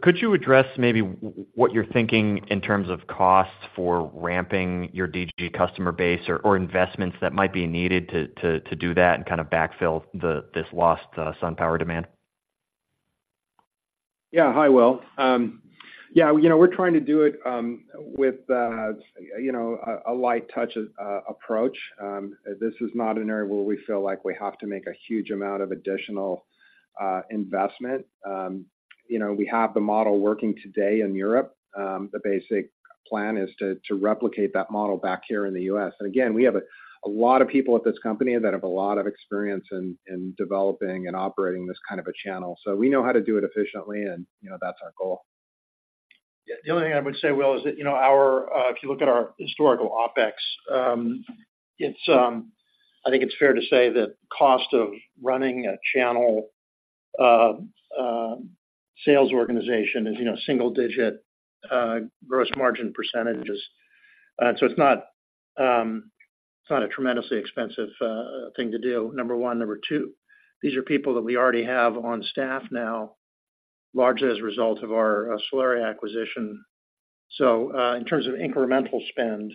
Could you address maybe what you're thinking in terms of costs for ramping your DG customer base or investments that might be needed to do that and kind of backfill this lost SunPower demand? Yeah. Hi, Will. Yeah, you know, we're trying to do it with, you know, a light touch approach. This is not an area where we feel like we have to make a huge amount of additional investment. You know, we have the model working today in Europe. The basic plan is to replicate that model back here in the U.S. And again, we have a lot of people at this company that have a lot of experience in developing and operating this kind of a channel. So we know how to do it efficiently, and, you know, that's our goal. Yeah, the only thing I would say, Will, is that, you know, our, if you look at our historical OpEx, it's, I think it's fair to say that cost of running a channel, sales organization is, you know, single digit gross margin percentages. So it's not, it's not a tremendously expensive thing to do, number one. Number two, these are people that we already have on staff now, largely as a result of our Solaria acquisition. So, in terms of incremental spend,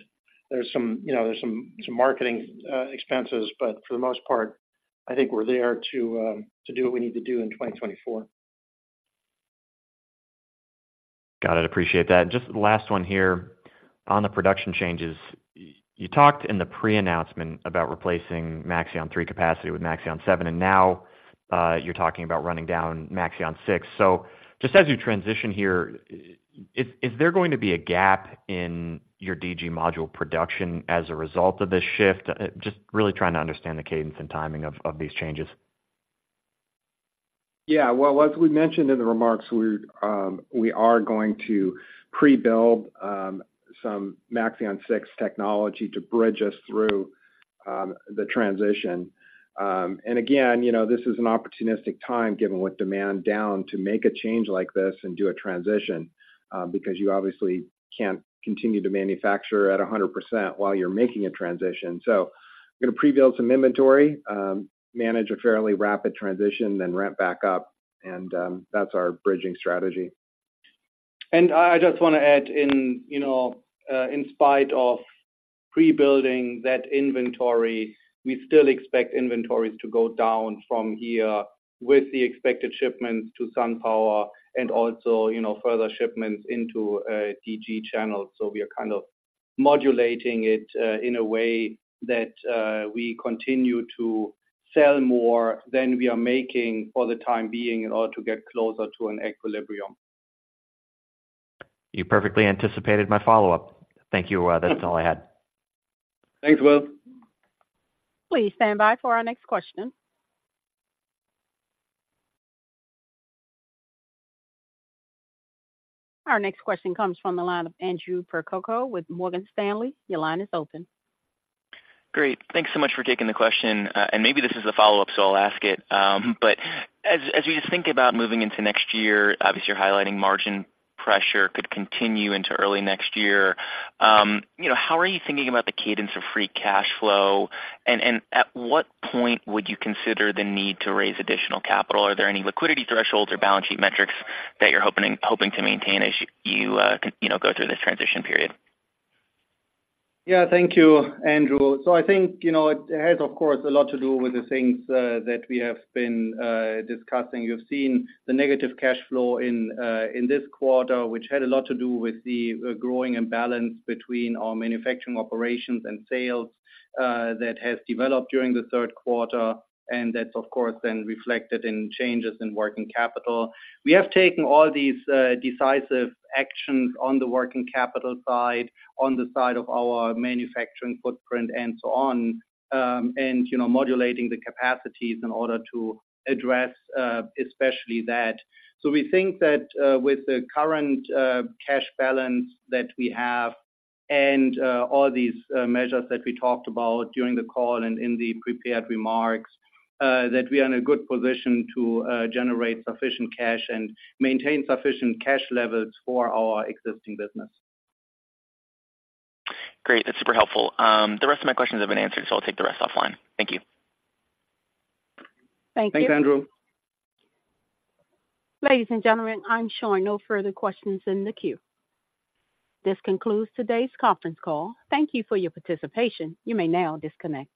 there's some, you know, some marketing expenses, but for the most part, I think we're there to do what we need to do in 2024. Got it. Appreciate that. Just the last one here. On the production changes, you talked in the pre-announcement about replacing Maxeon 3 capacity with Maxeon 7, and now, you're talking about running down Maxeon 6. So just as you transition here, is there going to be a gap in your DG module production as a result of this shift? Just really trying to understand the cadence and timing of these changes. Yeah. Well, as we mentioned in the remarks, we're, we are going to pre-build some Maxeon 6 technology to bridge us through the transition. And again, you know, this is an opportunistic time, given with demand down, to make a change like this and do a transition, because you obviously can't continue to manufacture at 100% while you're making a transition. So we're gonna pre-build some inventory, manage a fairly rapid transition, then ramp back up, and that's our bridging strategy. I just want to add in, you know, in spite of pre-building that inventory, we still expect inventories to go down from here with the expected shipments to SunPower and also, you know, further shipments into DG channels. So we are kind of modulating it in a way that we continue to sell more than we are making for the time being in order to get closer to an equilibrium. You perfectly anticipated my follow-up. Thank you. That's all I had. Thanks, Will. Please stand by for our next question. Our next question comes from the line of Andrew Percoco with Morgan Stanley. Your line is open. Great. Thanks so much for taking the question. And maybe this is a follow-up, so I'll ask it. But as you just think about moving into next year, obviously, you're highlighting margin pressure could continue into early next year. You know, how are you thinking about the cadence of free cash flow? And at what point would you consider the need to raise additional capital? Are there any liquidity thresholds or balance sheet metrics that you're hoping to maintain as you, you know, go through this transition period? Yeah. Thank you, Andrew. So I think, you know, it has, of course, a lot to do with the things that we have been discussing. You've seen the negative cash flow in this quarter, which had a lot to do with the growing imbalance between our manufacturing operations and sales that has developed during the third quarter, and that's, of course, then reflected in changes in working capital. We have taken all these decisive actions on the working capital side, on the side of our manufacturing footprint and so on, and, you know, modulating the capacities in order to address especially that. So we think that, with the current cash balance that we have and all these measures that we talked about during the call and in the prepared remarks, that we are in a good position to generate sufficient cash and maintain sufficient cash levels for our existing business. Great. That's super helpful. The rest of my questions have been answered, so I'll take the rest offline. Thank you. Thank you. Thanks, Andrew. Ladies and gentlemen, I'm showing no further questions in the queue. This concludes today's conference call. Thank you for your participation. You may now disconnect.